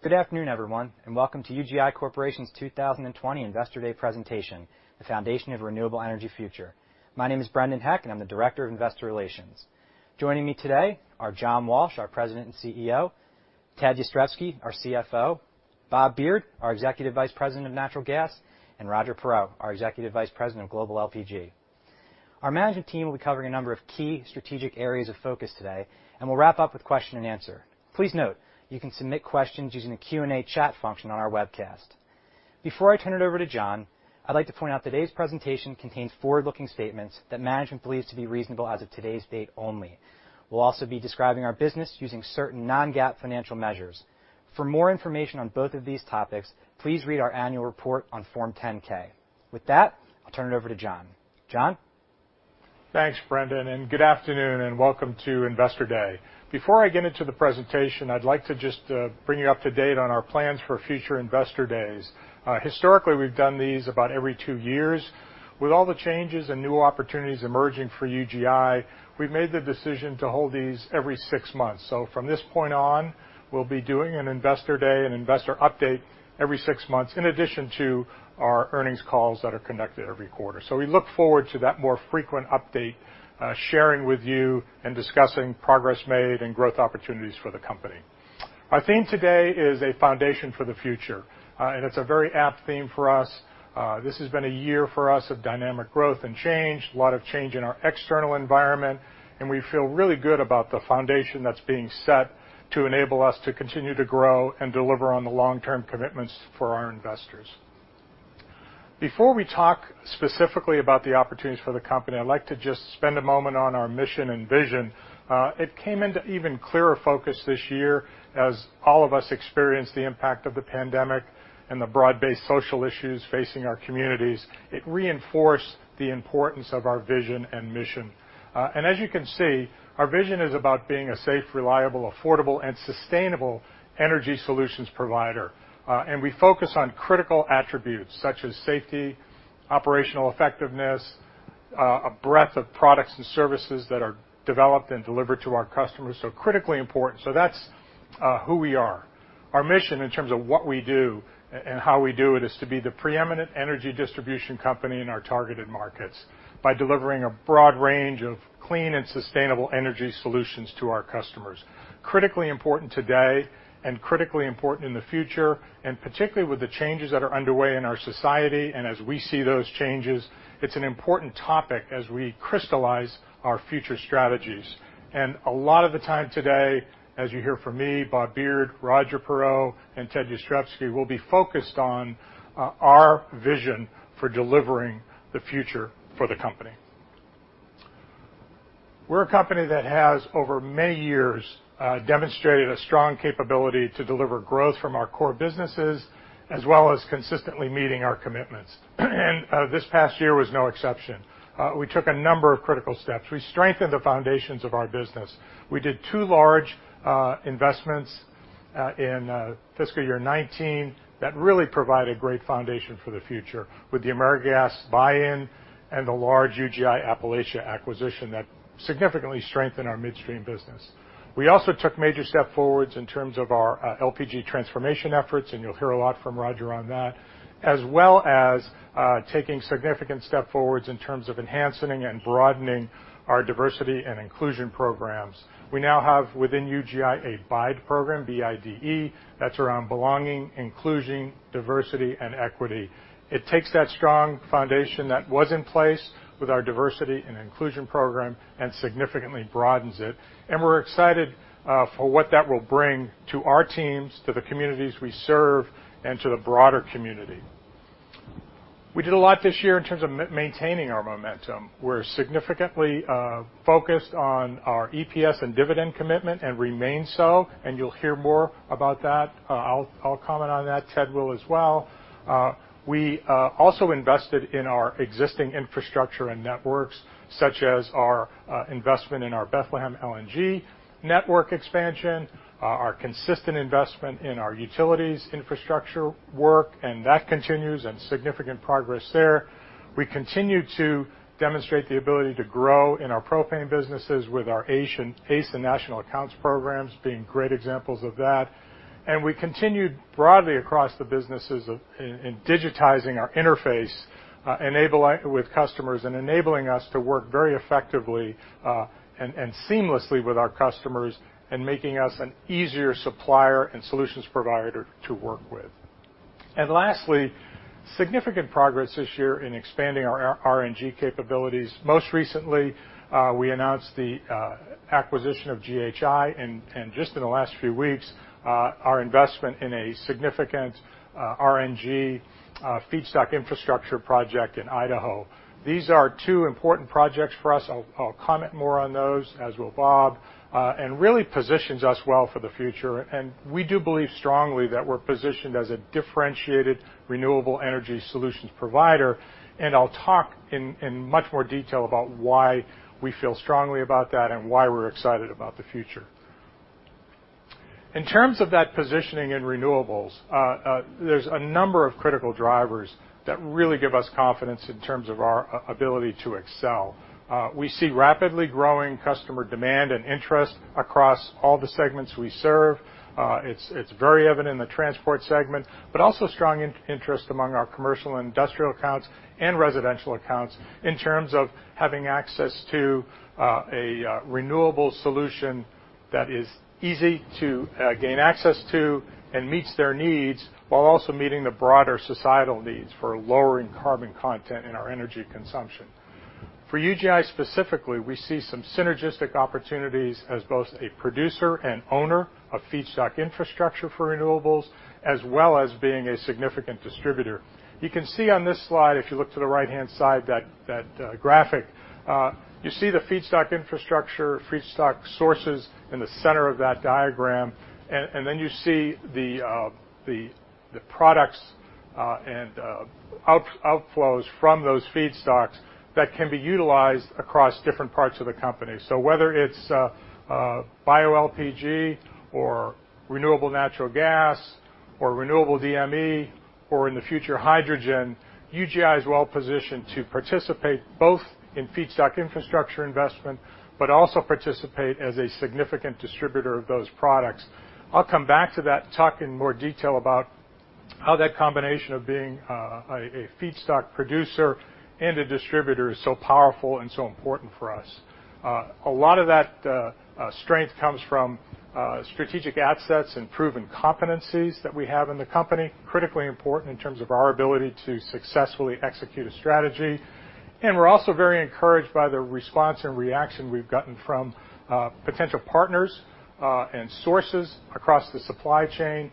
Good afternoon, everyone, and welcome to UGI Corporation's 2020 Investor Day presentation, the Foundation of Renewable Energy Future. My name is Brendan Heck, and I'm the Director of Investor Relations. Joining me today are John Walsh, our President and CEO; Ted Jastrzebski, our CFO; Bob Beard, our Executive Vice President of Natural Gas; and Roger Perreault, our Executive Vice President of Global LPG. Our management team will be covering a number of key strategic areas of focus today, and we'll wrap up with question and answer. Please note, you can submit questions using the Q&A chat function on our webcast. Before I turn it over to John, I'd like to point out today's presentation contains forward-looking statements that management believes to be reasonable as of today's date only. We'll also be describing our business using certain non-GAAP financial measures. For more information on both of these topics, please read our annual report on Form 10-K. With that, I'll turn it over to John. John? Thanks, Brendan, good afternoon, and welcome to Investor Day. Before I get into the presentation, I'd like to just bring you up to date on our plans for future investor days. Historically, we've done these about every two years. With all the changes and new opportunities emerging for UGI, we've made the decision to hold these every six months. From this point on, we'll be doing an investor day and investor update every six months, in addition to our earnings calls that are conducted every quarter. We look forward to that more frequent update, sharing with you and discussing progress made and growth opportunities for the company. Our theme today is a foundation for the future, it's a very apt theme for us. This has been a year for us of dynamic growth and change, a lot of change in our external environment, and we feel really good about the foundation that's being set to enable us to continue to grow and deliver on the long-term commitments for our investors. Before we talk specifically about the opportunities for the company, I'd like to just spend a moment on our mission and vision. It came into even clearer focus this year as all of us experienced the impact of the pandemic and the broad-based social issues facing our communities. It reinforced the importance of our vision and mission. As you can see, our vision is about being a safe, reliable, affordable, and sustainable energy solutions provider. We focus on critical attributes such as safety, operational effectiveness, a breadth of products and services that are developed and delivered to our customers, so critically important. That's who we are. Our mission in terms of what we do and how we do it is to be the preeminent energy distribution company in our targeted markets by delivering a broad range of clean and sustainable energy solutions to our customers. Critically important today and critically important in the future, and particularly with the changes that are underway in our society and as we see those changes, it's an important topic as we crystallize our future strategies. A lot of the time today, as you hear from me, Bob Beard, Roger Perreault, and Ted Jastrzebski, will be focused on our vision for delivering the future for the company. We're a company that has, over many years, demonstrated a strong capability to deliver growth from our core businesses, as well as consistently meeting our commitments. This past year was no exception. We took a number of critical steps. We strengthened the foundations of our business. We did two large investments in fiscal year 2019 that really provide a great foundation for the future with the AmeriGas buy-in and the large UGI Appalachia acquisition that significantly strengthened our midstream business. We also took major step forwards in terms of our LPG transformation efforts, and you'll hear a lot from Roger on that, as well as taking significant step forwards in terms of enhancing and broadening our diversity and inclusion programs. We now have within UGI a BIDE program, B-I-D-E, that's around belonging, inclusion, diversity, and equity. It takes that strong foundation that was in place with our diversity and inclusion program and significantly broadens it. We're excited for what that will bring to our teams, to the communities we serve, and to the broader community. We did a lot this year in terms of maintaining our momentum. We're significantly focused on our EPS and dividend commitment and remain so, and you'll hear more about that. I'll comment on that. Ted will as well. We also invested in our existing infrastructure and networks, such as our investment in our Bethlehem LNG network expansion, our consistent investment in our utilities infrastructure work, and that continues and significant progress there. We continue to demonstrate the ability to grow in our propane businesses with our ACE and National Accounts programs being great examples of that. We continued broadly across the businesses in digitizing our interface, enabling with customers and enabling us to work very effectively and seamlessly with our customers and making us an easier supplier and solutions provider to work with. Lastly, significant progress this year in expanding our RNG capabilities. Most recently, we announced the acquisition of GHI, and just in the last few weeks, our investment in a significant RNG feedstock infrastructure project in Idaho. These are two important projects for us. I'll comment more on those, as will Bob. Really positions us well for the future. We do believe strongly that we're positioned as a differentiated renewable energy solutions provider, I'll talk in much more detail about why we feel strongly about that and why we're excited about the future. In terms of that positioning in renewables, there's a number of critical drivers that really give us confidence in terms of our ability to excel. We see rapidly growing customer demand and interest across all the segments we serve. It's very evident in the transport segment, but also strong interest among our commercial and industrial accounts and residential accounts in terms of having access to a renewable solution that is easy to gain access to and meets their needs, while also meeting the broader societal needs for lowering carbon content in our energy consumption. For UGI specifically, we see some synergistic opportunities as both a producer and owner of feedstock infrastructure for renewables, as well as being a significant distributor. You can see on this slide, if you look to the right-hand side, that graphic. You see the feedstock infrastructure, feedstock sources in the center of that diagram, and then you see the products and outflows from those feedstocks that can be utilized across different parts of the company. Whether it's bioLPG or renewable natural gas or renewable DME or, in the future, hydrogen, UGI is well-positioned to participate both in feedstock infrastructure investment, but also participate as a significant distributor of those products. I'll come back to that and talk in more detail about how that combination of being a feedstock producer and a distributor is so powerful and so important for us. A lot of that strength comes from strategic assets and proven competencies that we have in the company, critically important in terms of our ability to successfully execute a strategy. We're also very encouraged by the response and reaction we've gotten from potential partners and sources across the supply chain.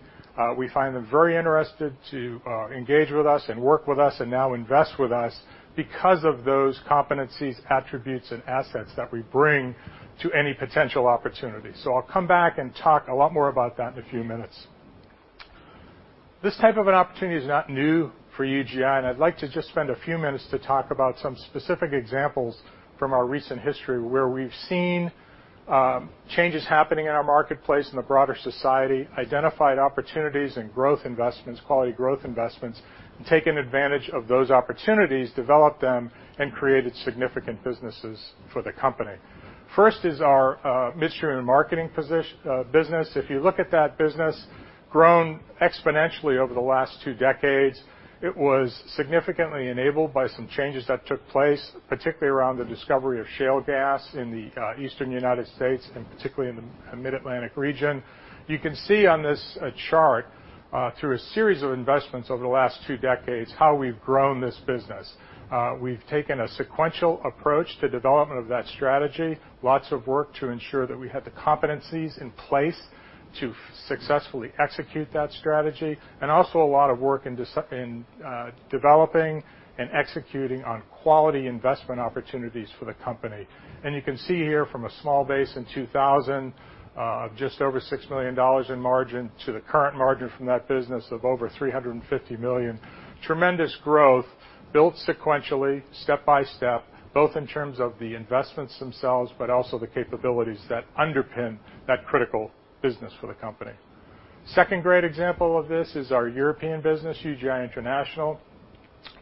We find them very interested to engage with us and work with us and now invest with us because of those competencies, attributes, and assets that we bring to any potential opportunity. I'll come back and talk a lot more about that in a few minutes. This type of an opportunity is not new for UGI, and I'd like to just spend a few minutes to talk about some specific examples from our recent history where we've seen changes happening in our marketplace and the broader society, identified opportunities and quality growth investments, taken advantage of those opportunities, developed them, and created significant businesses for the company. First is our midstream and marketing business. If you look at that business, grown exponentially over the last two decades. It was significantly enabled by some changes that took place, particularly around the discovery of shale gas in the Eastern U.S. and particularly in the Mid-Atlantic region. You can see on this chart, through a series of investments over the last two decades, how we've grown this business. We've taken a sequential approach to development of that strategy, lots of work to ensure that we had the competencies in place to successfully execute that strategy, and also a lot of work in developing and executing on quality investment opportunities for the company. You can see here from a small base in 2000 of just over $6 million in margin to the current margin from that business of over $350 million. Tremendous growth built sequentially, step by step, both in terms of the investments themselves, but also the capabilities that underpin that critical business for the company. Second great example of this is our European business, UGI International.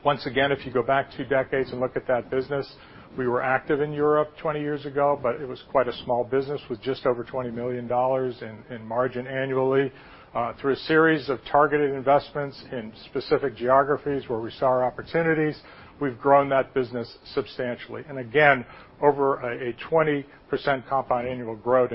Once again, if you go back two decades and look at that business, we were active in Europe 20 years ago, but it was quite a small business with just over $20 million in margin annually. Through a series of targeted investments in specific geographies where we saw our opportunities, we've grown that business substantially. Again, over a 20% compound annual growth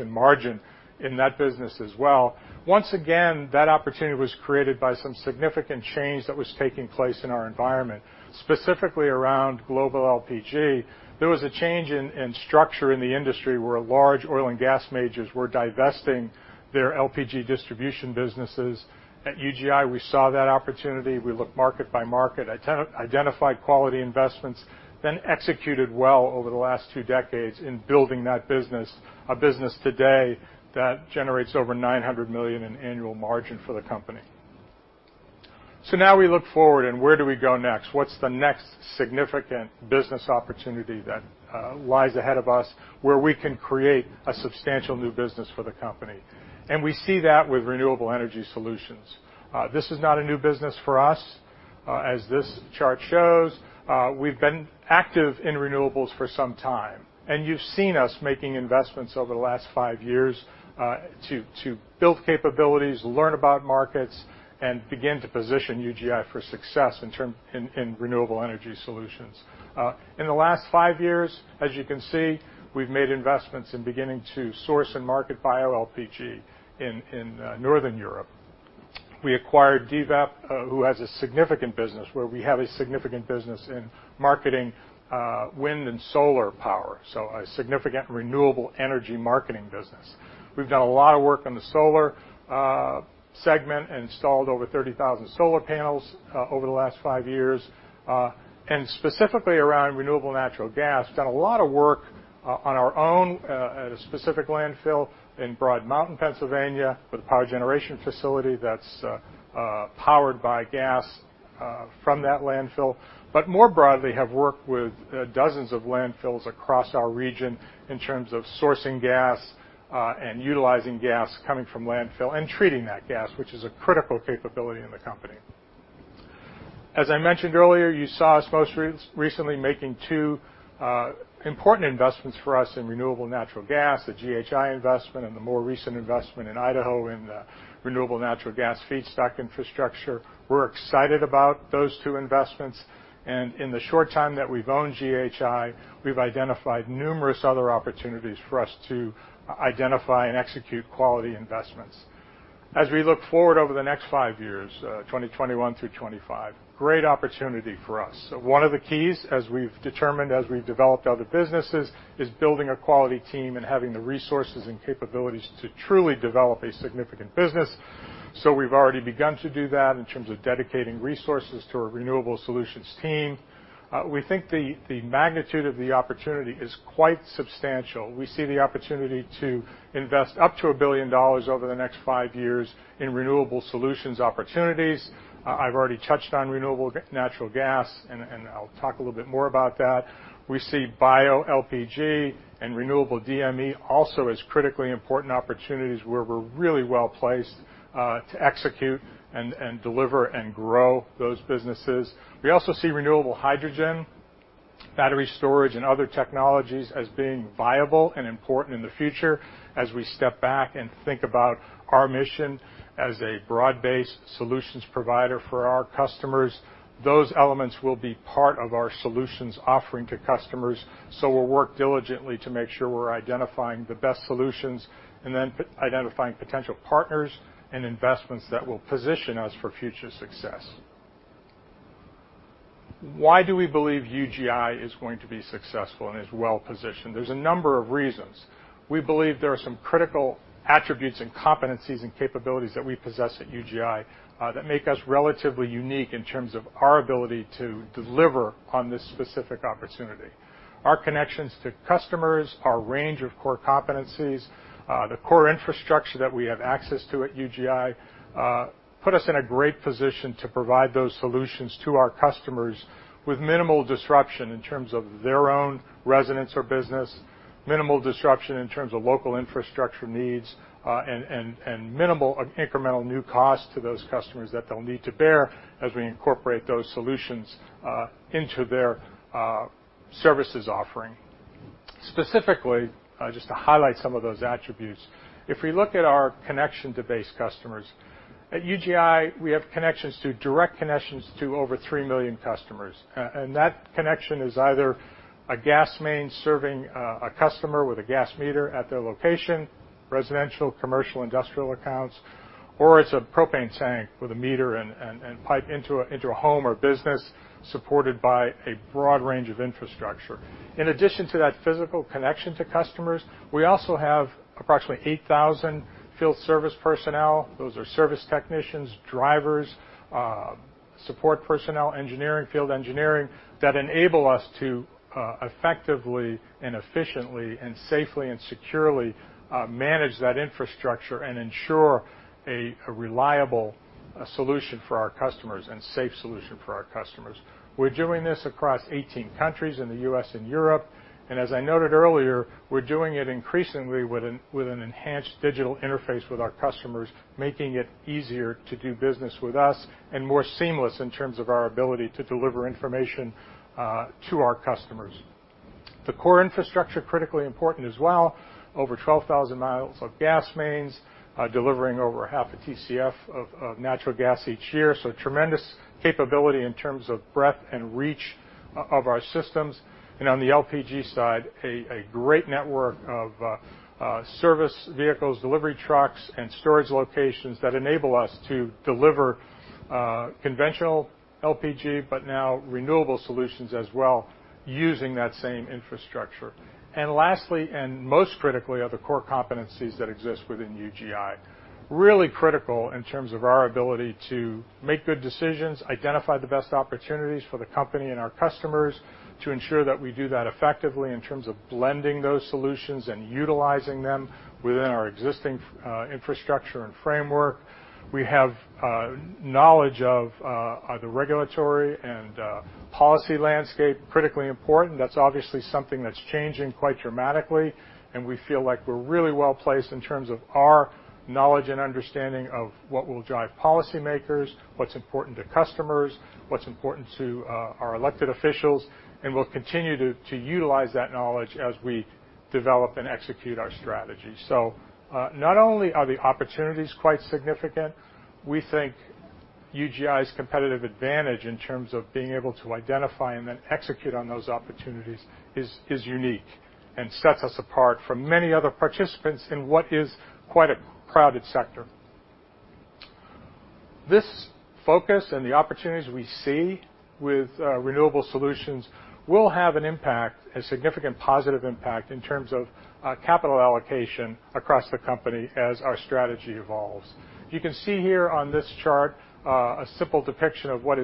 in margin in that business as well. Once again, that opportunity was created by some significant change that was taking place in our environment, specifically around global LPG. There was a change in structure in the industry where large oil and gas majors were divesting their LPG distribution businesses. At UGI, we saw that opportunity. We looked market by market, identified quality investments, then executed well over the last two decades in building that business, a business today that generates over $900 million in annual margin for the company. Now we look forward and where do we go next? What's the next significant business opportunity that lies ahead of us where we can create a substantial new business for the company? We see that with renewable energy solutions. This is not a new business for us. As this chart shows, we've been active in renewables for some time, and you've seen us making investments over the last five years to build capabilities, learn about markets, and begin to position UGI for success in renewable energy solutions. In the last five years, as you can see, we've made investments in beginning to source and market bioLPG in Northern Europe. We acquired DVEP, who has a significant business where we have a significant business in marketing wind and solar power, so a significant renewable energy marketing business. We've done a lot of work on the solar segment and installed over 30,000 solar panels over the last five years. Specifically around renewable natural gas, done a lot of work on our own at a specific landfill in Broad Mountain, Pennsylvania, with a power generation facility that's powered by gas from that landfill. More broadly, have worked with dozens of landfills across our region in terms of sourcing gas and utilizing gas coming from landfill and treating that gas, which is a critical capability in the company. As I mentioned earlier, you saw us most recently making two important investments for us in renewable natural gas, the GHI investment and the more recent investment in Idaho in the renewable natural gas feedstock infrastructure. We're excited about those two investments. In the short time that we've owned GHI, we've identified numerous other opportunities for us to identify and execute quality investments. As we look forward over the next five years, 2021 through 2025, great opportunity for us. One of the keys, as we've determined as we've developed other businesses, is building a quality team and having the resources and capabilities to truly develop a significant business. We've already begun to do that in terms of dedicating resources to our renewable solutions team. We think the magnitude of the opportunity is quite substantial. We see the opportunity to invest up to $1 billion over the next five years in renewable solutions opportunities. I've already touched on renewable natural gas. I'll talk a little bit more about that. We see bioLPG and renewable DME also as critically important opportunities where we're really well-placed to execute and deliver and grow those businesses. We also see renewable hydrogen, battery storage, and other technologies as being viable and important in the future. As we step back and think about our mission as a broad-based solutions provider for our customers, those elements will be part of our solutions offering to customers. We'll work diligently to make sure we're identifying the best solutions and then identifying potential partners and investments that will position us for future success. Why do we believe UGI is going to be successful and is well-positioned? There's a number of reasons. We believe there are some critical attributes and competencies and capabilities that we possess at UGI that make us relatively unique in terms of our ability to deliver on this specific opportunity. Our connections to customers, our range of core competencies, the core infrastructure that we have access to at UGI put us in a great position to provide those solutions to our customers with minimal disruption in terms of their own residence or business, minimal disruption in terms of local infrastructure needs, and minimal incremental new cost to those customers that they'll need to bear as we incorporate those solutions into their services offering. Specifically, just to highlight some of those attributes, if we look at our connection to base customers, at UGI, we have connections to direct connections to over 3 million customers. That connection is either a gas main serving a customer with a gas meter at their location, residential, commercial, industrial accounts, or it's a propane tank with a meter and pipe into a home or business supported by a broad range of infrastructure. In addition to that physical connection to customers, we also have approximately 8,000 field service personnel. Those are service technicians, drivers, support personnel, engineering, field engineering that enable us to effectively and efficiently and safely and securely manage that infrastructure and ensure a reliable solution for our customers and safe solution for our customers. We're doing this across 18 countries in the U.S. and Europe. As I noted earlier, we're doing it increasingly with an enhanced digital interface with our customers, making it easier to do business with us and more seamless in terms of our ability to deliver information to our customers. The core infrastructure critically important as well. Over 12,000 miles of gas mains delivering over half a TCF of natural gas each year, so tremendous capability in terms of breadth and reach of our systems. On the LPG side, a great network of service vehicles, delivery trucks, and storage locations that enable us to deliver conventional LPG, but now renewable solutions as well using that same infrastructure. Lastly, and most critically, are the core competencies that exist within UGI. It's really critical in terms of our ability to make good decisions, identify the best opportunities for the company and our customers to ensure that we do that effectively in terms of blending those solutions and utilizing them within our existing infrastructure and framework. We have knowledge of the regulatory and policy landscape, critically important. That's obviously something that's changing quite dramatically, and we feel like we're really well-placed in terms of our knowledge and understanding of what will drive policymakers, what's important to customers, what's important to our elected officials, and we'll continue to utilize that knowledge as we develop and execute our strategy. Not only are the opportunities quite significant, we think UGI's competitive advantage in terms of being able to identify and then execute on those opportunities is unique and sets us apart from many other participants in what is quite a crowded sector. This focus and the opportunities we see with renewable solutions will have an impact, a significant positive impact, in terms of capital allocation across the company as our strategy evolves. You can see here on this chart a simple depiction of what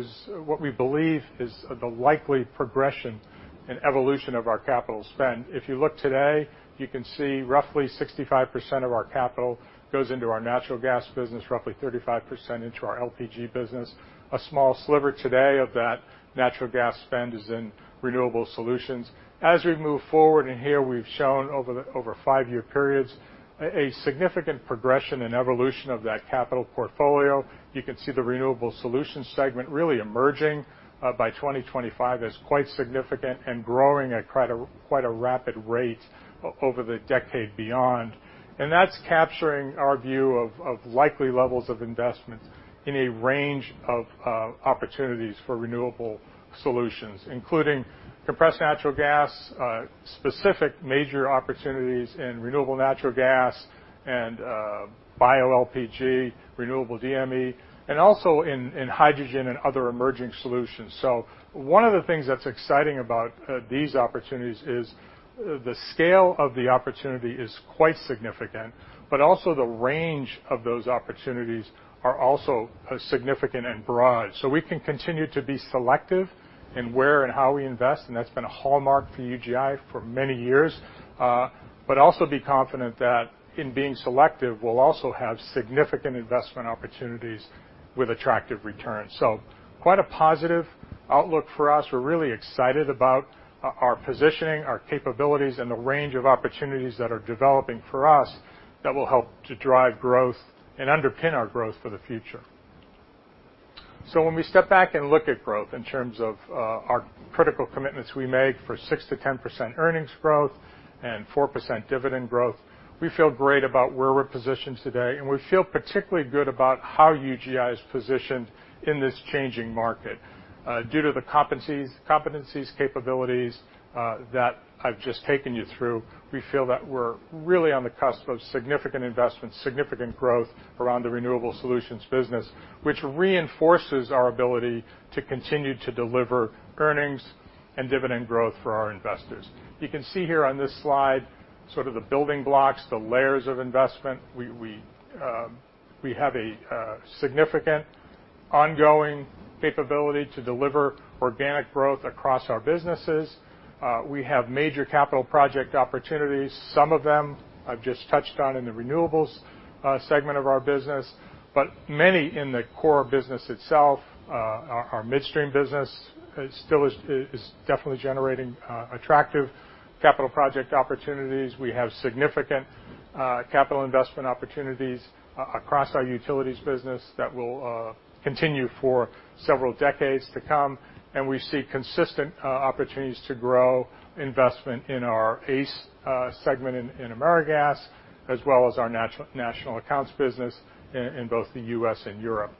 we believe is the likely progression and evolution of our capital spend. If you look today, you can see roughly 65% of our capital goes into our natural gas business, roughly 35% into our LPG business. A small sliver today of that natural gas spend is in renewable solutions. As we move forward, and here we've shown over five-year periods, a significant progression and evolution of that capital portfolio. You can see the renewable solutions segment really emerging by 2025 as quite significant and growing at quite a rapid rate over the decade beyond. That's capturing our view of likely levels of investments in a range of opportunities for renewable solutions, including compressed natural gas, specific major opportunities in renewable natural gas and bioLPG, renewable DME, and also in hydrogen and other emerging solutions. One of the things that's exciting about these opportunities is the scale of the opportunity is quite significant, but also the range of those opportunities are also significant and broad. We can continue to be selective in where and how we invest, and that's been a hallmark for UGI for many years, but also be confident that in being selective, we'll also have significant investment opportunities with attractive returns. Quite a positive outlook for us. We're really excited about our positioning, our capabilities, and the range of opportunities that are developing for us that will help to drive growth and underpin our growth for the future. When we step back and look at growth in terms of our critical commitments we make for 6%-10% earnings growth and 4% dividend growth, we feel great about where we're positioned today, and we feel particularly good about how UGI is positioned in this changing market. Due to the competencies, capabilities that I've just taken you through, we feel that we're really on the cusp of significant investment, significant growth around the renewable solutions business, which reinforces our ability to continue to deliver earnings and dividend growth for our investors. You can see here on this slide the building blocks, the layers of investment. We have a significant ongoing capability to deliver organic growth across our businesses. We have major capital project opportunities. Some of them I've just touched on in the renewables segment of our business, but many in the core business itself, our midstream business still is definitely generating attractive capital project opportunities. We have significant capital investment opportunities across our utilities business that will continue for several decades to come, and we see consistent opportunities to grow investment in our ACE segment in AmeriGas, as well as our National Accounts business in both the U.S. and Europe.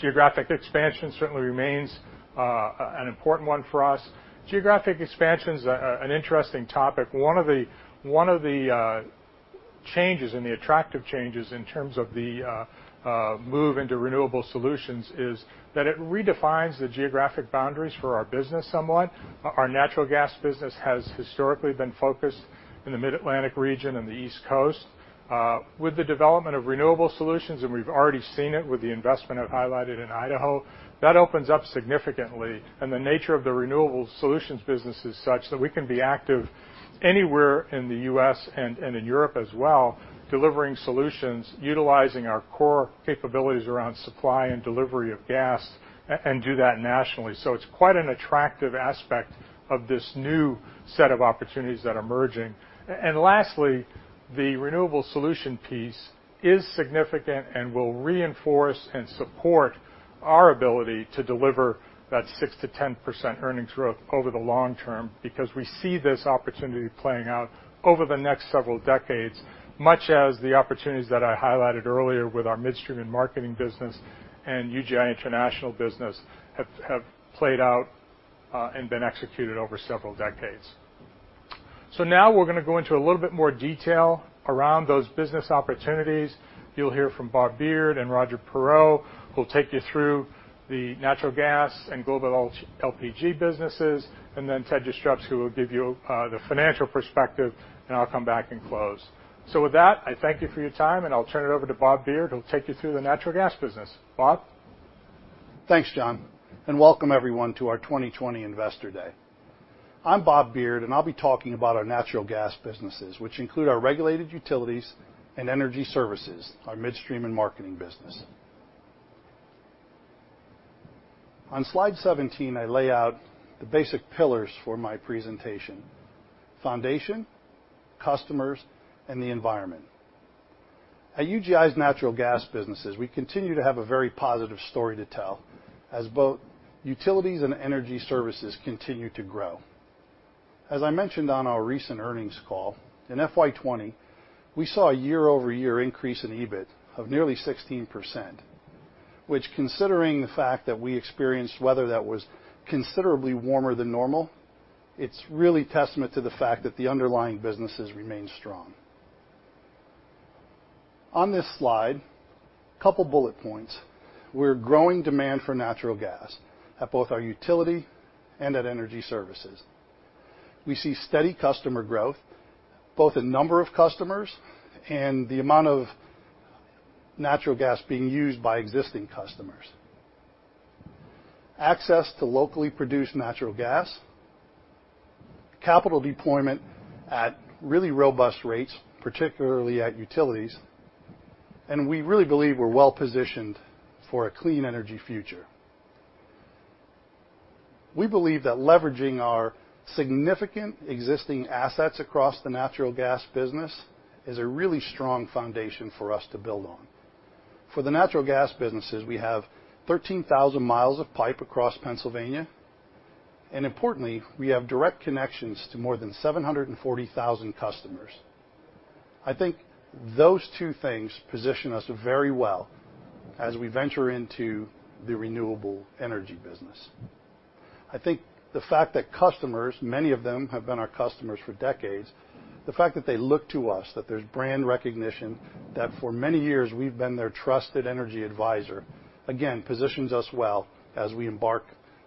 Geographic expansion certainly remains an important one for us. Geographic expansion is an interesting topic. One of the changes and the attractive changes in terms of the move into renewable solutions is that it redefines the geographic boundaries for our business somewhat. Our natural gas business has historically been focused in the Mid-Atlantic region and the East Coast. With the development of renewable solutions, and we've already seen it with the investment I've highlighted in Idaho, that opens up significantly. The nature of the renewable solutions business is such that we can be active anywhere in the U.S. and in Europe as well, delivering solutions, utilizing our core capabilities around supply and delivery of gas, and do that nationally. It's quite an attractive aspect of this new set of opportunities that are emerging. Lastly, the renewable solution piece is significant and will reinforce and support our ability to deliver that 6%-10% earnings growth over the long term because we see this opportunity playing out over the next several decades, much as the opportunities that I highlighted earlier with our midstream and marketing business and UGI International business have played out and been executed over several decades. Now we're going to go into a little bit more detail around those business opportunities. You'll hear from Bob Beard and Roger Perreault, who'll take you through the natural gas and global LPG businesses, and then Ted Jastrzebski who will give you the financial perspective, and I'll come back and close. With that, I thank you for your time, and I'll turn it over to Bob Beard, who'll take you through the natural gas business. Bob? Thanks, John, and welcome everyone to our 2020 Investor Day. I'm Bob Beard, and I'll be talking about our natural gas businesses, which include our regulated utilities and energy services, our midstream and marketing business. On slide 17, I lay out the basic pillars for my presentation: foundation, customers, and the environment. At UGI's natural gas businesses, we continue to have a very positive story to tell as both utilities and energy services continue to grow. As I mentioned on our recent earnings call, in FY 2020, we saw a year-over-year increase in EBIT of nearly 16%, which considering the fact that we experienced weather that was considerably warmer than normal, it's really testament to the fact that the underlying businesses remain strong. On this slide, a couple bullet points. We're growing demand for natural gas at both our utility and at energy services. We see steady customer growth, both in number of customers and the amount of natural gas being used by existing customers. Access to locally produced natural gas. Capital deployment at really robust rates, particularly at utilities. We really believe we're well-positioned for a clean energy future. We believe that leveraging our significant existing assets across the natural gas business is a really strong foundation for us to build on. For the natural gas businesses, we have 13,000 mi of pipe across Pennsylvania, and importantly, we have direct connections to more than 740,000 customers. I think those two things position us very well as we venture into the renewable energy business. I think the fact that customers, many of them have been our customers for decades, the fact that they look to us, that there's brand recognition, that for many years we've been their trusted energy advisor, again, positions us well as we embark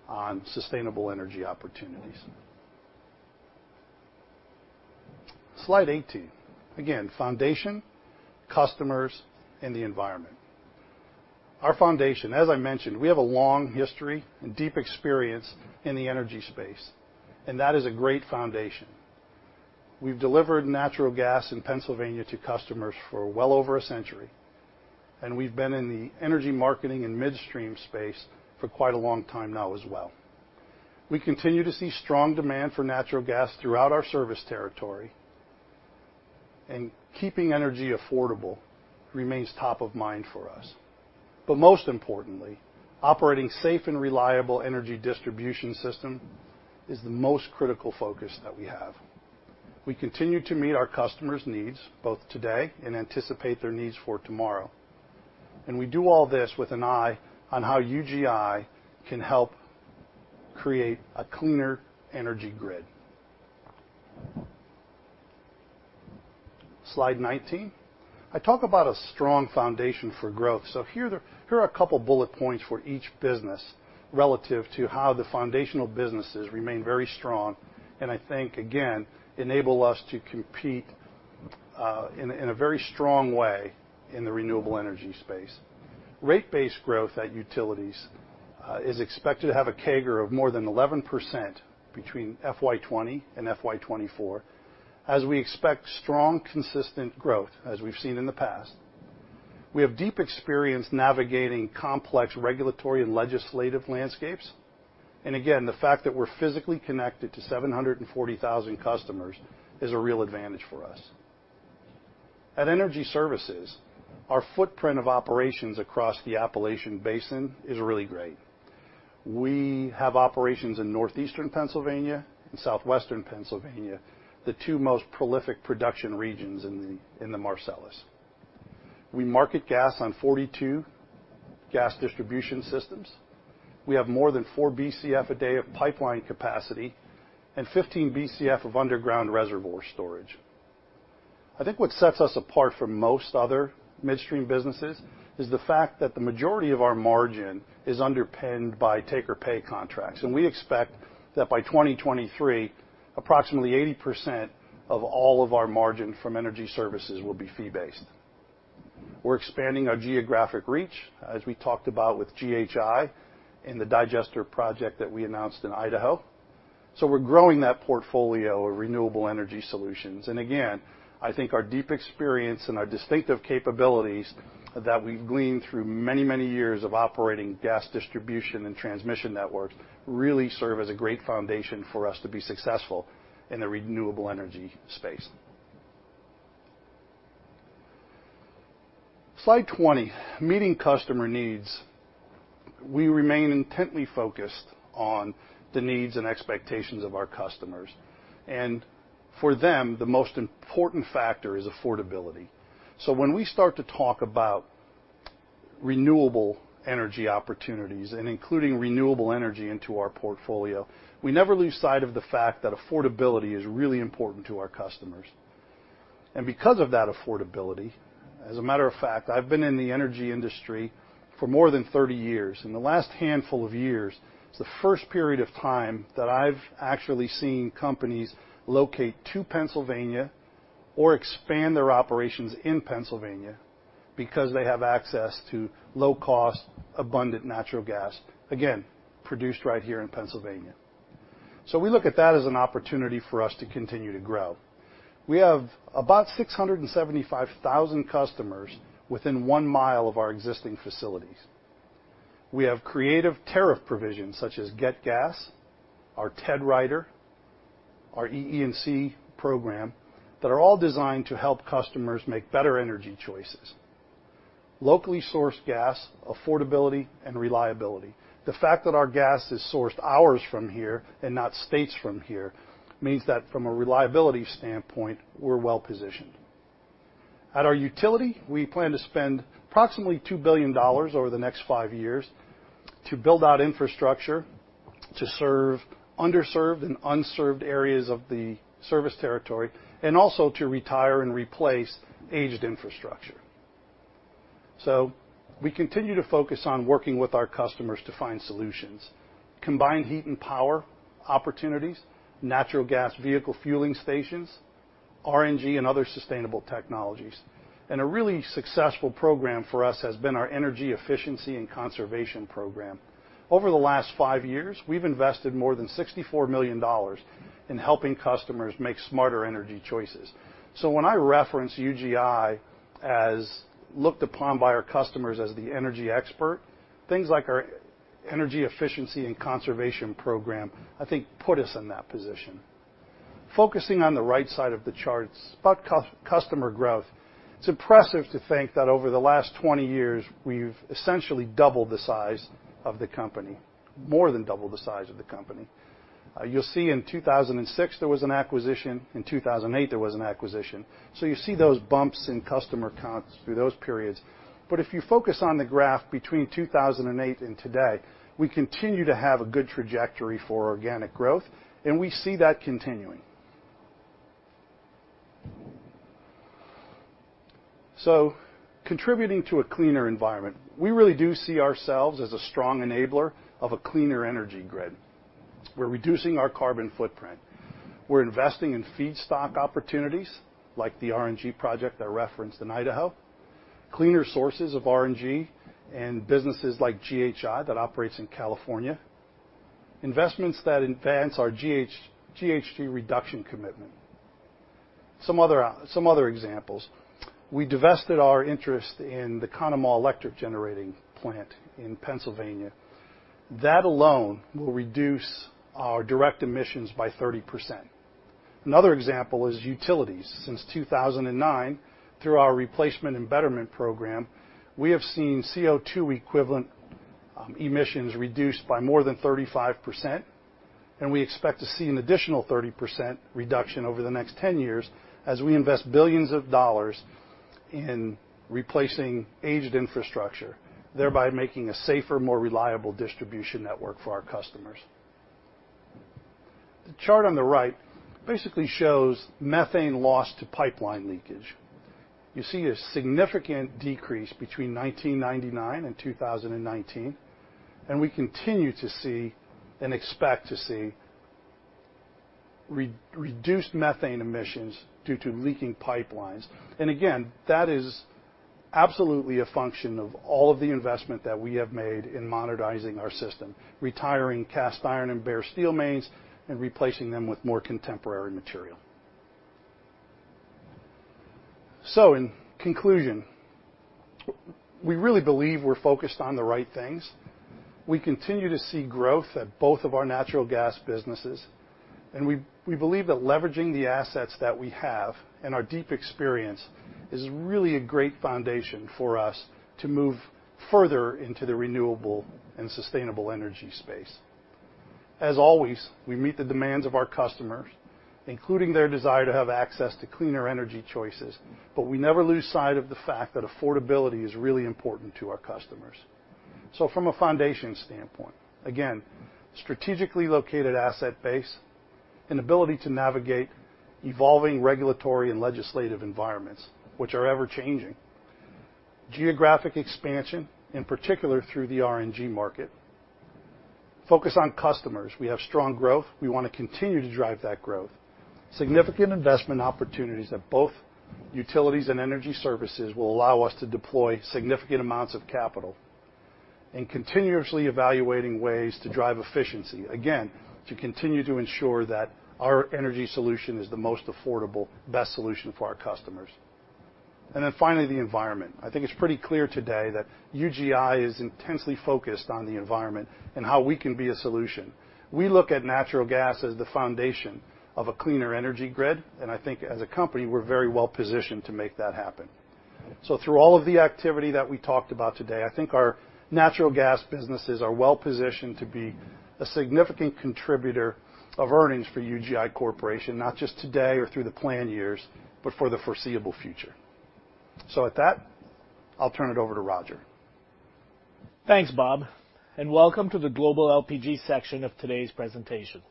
on sustainable energy opportunities. Slide 18. Again, foundation, customers, and the environment. Our foundation, as I mentioned, we have a long history and deep experience in the energy space, and that is a great foundation. We've delivered natural gas in Pennsylvania to customers for well over a century, and we've been in the energy marketing and midstream space for quite a long time now as well. We continue to see strong demand for natural gas throughout our service territory, and keeping energy affordable remains top of mind for us. Most importantly, operating safe and reliable energy distribution system is the most critical focus that we have. We continue to meet our customers' needs, both today and anticipate their needs for tomorrow. We do all this with an eye on how UGI can help create a cleaner energy grid. Slide 19. I talk about a strong foundation for growth. Here are a couple bullet points for each business relative to how the foundational businesses remain very strong, and I think, again, enable us to compete in a very strong way in the renewable energy space. Rate-based growth at utilities is expected to have a CAGR of more than 11% between FY 2020 and FY 2024, as we expect strong, consistent growth as we've seen in the past. We have deep experience navigating complex regulatory and legislative landscapes. Again, the fact that we're physically connected to 740,000 customers is a real advantage for us. At Energy Services, our footprint of operations across the Appalachian Basin is really great. We have operations in northeastern Pennsylvania and southwestern Pennsylvania, the two most prolific production regions in the Marcellus. We market gas on 42 gas distribution systems. We have more than four Bcf a day of pipeline capacity and 15 Bcf of underground reservoir storage. I think what sets us apart from most other midstream businesses is the fact that the majority of our margin is underpinned by take-or-pay contracts. We expect that by 2023, approximately 80% of all of our margin from Energy Services will be fee-based. We're expanding our geographic reach, as we talked about with GHI and the digester project that we announced in Idaho. We're growing that portfolio of renewable energy solutions. Again, I think our deep experience and our distinctive capabilities that we've gleaned through many, many years of operating gas distribution and transmission networks really serve as a great foundation for us to be successful in the renewable energy space. Slide 20. Meeting customer needs. We remain intently focused on the needs and expectations of our customers. For them, the most important factor is affordability. When we start to talk about renewable energy opportunities and including renewable energy into our portfolio, we never lose sight of the fact that affordability is really important to our customers. Because of that affordability, as a matter of fact, I've been in the energy industry for more than 30 years, and the last handful of years is the first period of time that I've actually seen companies locate to Pennsylvania or expand their operations in Pennsylvania because they have access to low-cost, abundant natural gas, again, produced right here in Pennsylvania. We look at that as an opportunity for us to continue to grow. We have about 675,000 customers within one mile of our existing facilities. We have creative tariff provisions such as GET Gas, our TED Rider, our EE&C program, that are all designed to help customers make better energy choices. Locally sourced gas, affordability, and reliability. The fact that our gas is sourced hours from here and not states from here means that from a reliability standpoint, we're well-positioned. At our utility, we plan to spend approximately $2 billion over the next five years to build out infrastructure to serve underserved and unserved areas of the service territory, and also to retire and replace aged infrastructure. We continue to focus on working with our customers to find solutions: combined heat and power opportunities, natural gas vehicle fueling stations, RNG, and other sustainable technologies. A really successful program for us has been our Energy Efficiency and Conservation Program. Over the last five years, we've invested more than $64 million in helping customers make smarter energy choices. When I reference UGI as looked upon by our customers as the energy expert, things like our Energy Efficiency and Conservation Program, I think, put us in that position. Focusing on the right side of the chart, spot customer growth, it's impressive to think that over the last 20 years, we've essentially doubled the size of the company, more than doubled the size of the company. You'll see in 2006, there was an acquisition. In 2008, there was an acquisition. You see those bumps in customer counts through those periods. If you focus on the graph between 2008 and today, we continue to have a good trajectory for organic growth, and we see that continuing. Contributing to a cleaner environment. We really do see ourselves as a strong enabler of a cleaner energy grid. We're reducing our carbon footprint. We're investing in feedstock opportunities, like the RNG project I referenced in Idaho, cleaner sources of RNG in businesses like GHI that operates in California, investments that advance our GHG reduction commitment. Some other examples. We divested our interest in the Conemaugh electric generating plant in Pennsylvania. That alone will reduce our direct emissions by 30%. Another example is utilities. Since 2009, through our replacement and betterment program, we have seen CO2-equivalent emissions reduced by more than 35%, we expect to see an additional 30% reduction over the next 10 years as we invest $billions in replacing aged infrastructure, thereby making a safer, more reliable distribution network for our customers. The chart on the right basically shows methane loss to pipeline leakage. We continue to see and expect to see reduced methane emissions due to leaking pipelines. Again, that is absolutely a function of all of the investment that we have made in modernizing our system, retiring cast iron and bare steel mains and replacing them with more contemporary material. In conclusion, we really believe we're focused on the right things. We continue to see growth at both of our natural gas businesses, and we believe that leveraging the assets that we have and our deep experience is really a great foundation for us to move further into the renewable and sustainable energy space. As always, we meet the demands of our customers, including their desire to have access to cleaner energy choices, but we never lose sight of the fact that affordability is really important to our customers. From a foundation standpoint, again, strategically located asset base and ability to navigate evolving regulatory and legislative environments, which are ever-changing. Geographic expansion, in particular through the RNG market. Focus on customers. We have strong growth. We want to continue to drive that growth. Significant investment opportunities at both utilities and energy services will allow us to deploy significant amounts of capital. Continuously evaluating ways to drive efficiency, again, to continue to ensure that our energy solution is the most affordable, best solution for our customers. Finally, the environment. I think it's pretty clear today that UGI is intensely focused on the environment and how we can be a solution. We look at natural gas as the foundation of a cleaner energy grid, and I think as a company, we're very well positioned to make that happen. Through all of the activity that we talked about today, I think our natural gas businesses are well positioned to be a significant contributor of earnings for UGI Corporation, not just today or through the plan years, but for the foreseeable future. With that, I'll turn it over to Roger. Thanks, Bob, and welcome to the global LPG section of today's presentation.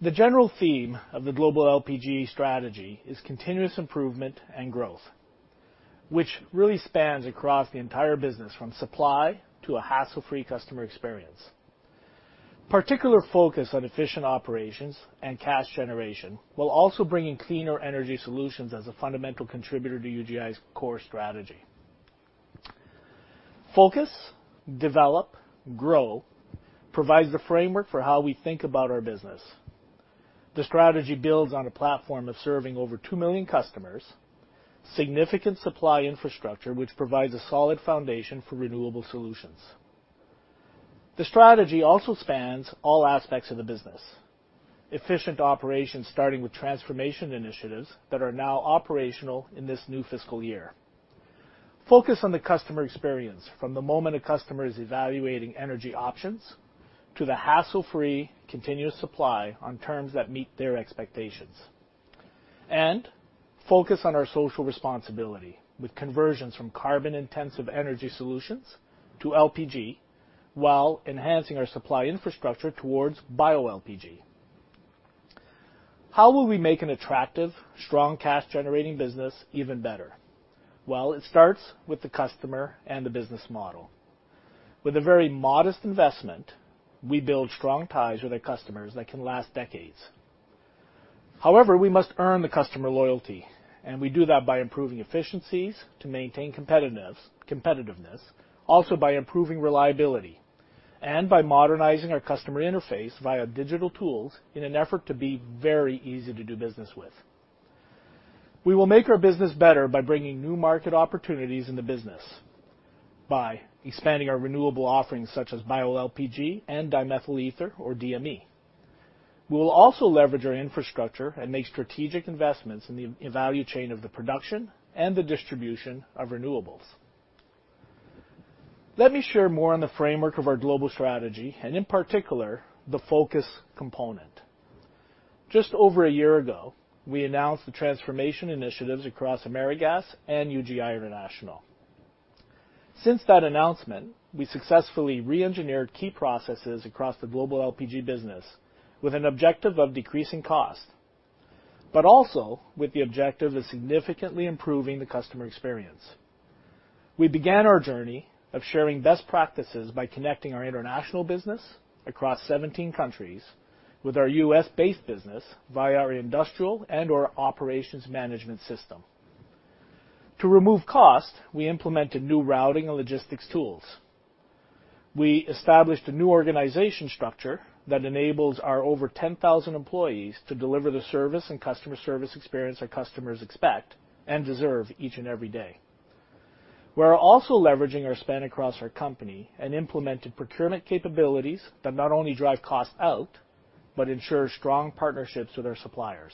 The general theme of the global LPG strategy is continuous improvement and growth, which really spans across the entire business, from supply to a hassle-free customer experience. Particular focus on efficient operations and cash generation, while also bringing cleaner energy solutions as a fundamental contributor to UGI's core strategy. Focus, develop, grow provides the framework for how we think about our business. The strategy builds on a platform of serving over 2 million customers, significant supply infrastructure, which provides a solid foundation for renewable solutions. The strategy also spans all aspects of the business. Efficient operations, starting with transformation initiatives that are now operational in this new fiscal year. Focus on the customer experience from the moment a customer is evaluating energy options to the hassle-free continuous supply on terms that meet their expectations. Focus on our social responsibility with conversions from carbon-intensive energy solutions to LPG, while enhancing our supply infrastructure towards bioLPG. How will we make an attractive, strong, cash-generating business even better? Well, it starts with the customer and the business model. With a very modest investment, we build strong ties with our customers that can last decades. However, we must earn the customer loyalty, and we do that by improving efficiencies to maintain competitiveness, also by improving reliability, and by modernizing our customer interface via digital tools in an effort to be very easy to do business with. We will make our business better by bringing new market opportunities in the business, by expanding our renewable offerings such as bioLPG and dimethyl ether or DME. We will also leverage our infrastructure and make strategic investments in the value chain of the production and the distribution of renewables. Let me share more on the framework of our global strategy and, in particular, the focus component. Just over one year ago, we announced the transformation initiatives across AmeriGas and UGI International. Since that announcement, we successfully re-engineered key processes across the global LPG business with an objective of decreasing cost, but also with the objective of significantly improving the customer experience. We began our journey of sharing best practices by connecting our international business across 17 countries with our U.S.-based business via our industrial and/or operations management system. To remove cost, we implemented new routing and logistics tools. We established a new organization structure that enables our over 10,000 employees to deliver the service and customer service experience our customers expect and deserve each and every day. We are also leveraging our span across our company and implemented procurement capabilities that not only drive cost out, but ensure strong partnerships with our suppliers.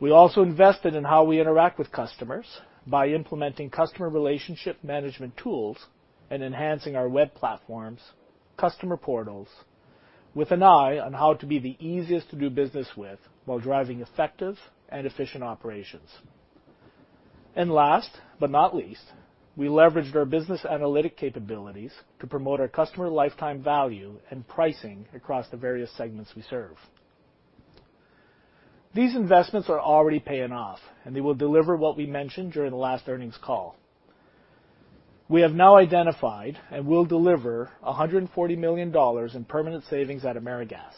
We also invested in how we interact with customers by implementing customer relationship management tools and enhancing our web platforms, customer portals, with an eye on how to be the easiest to do business with while driving effective and efficient operations. Last but not least, we leveraged our business analytic capabilities to promote our customer lifetime value and pricing across the various segments we serve. These investments are already paying off, and they will deliver what we mentioned during the last earnings call. We have now identified and will deliver $140 million in permanent savings at AmeriGas.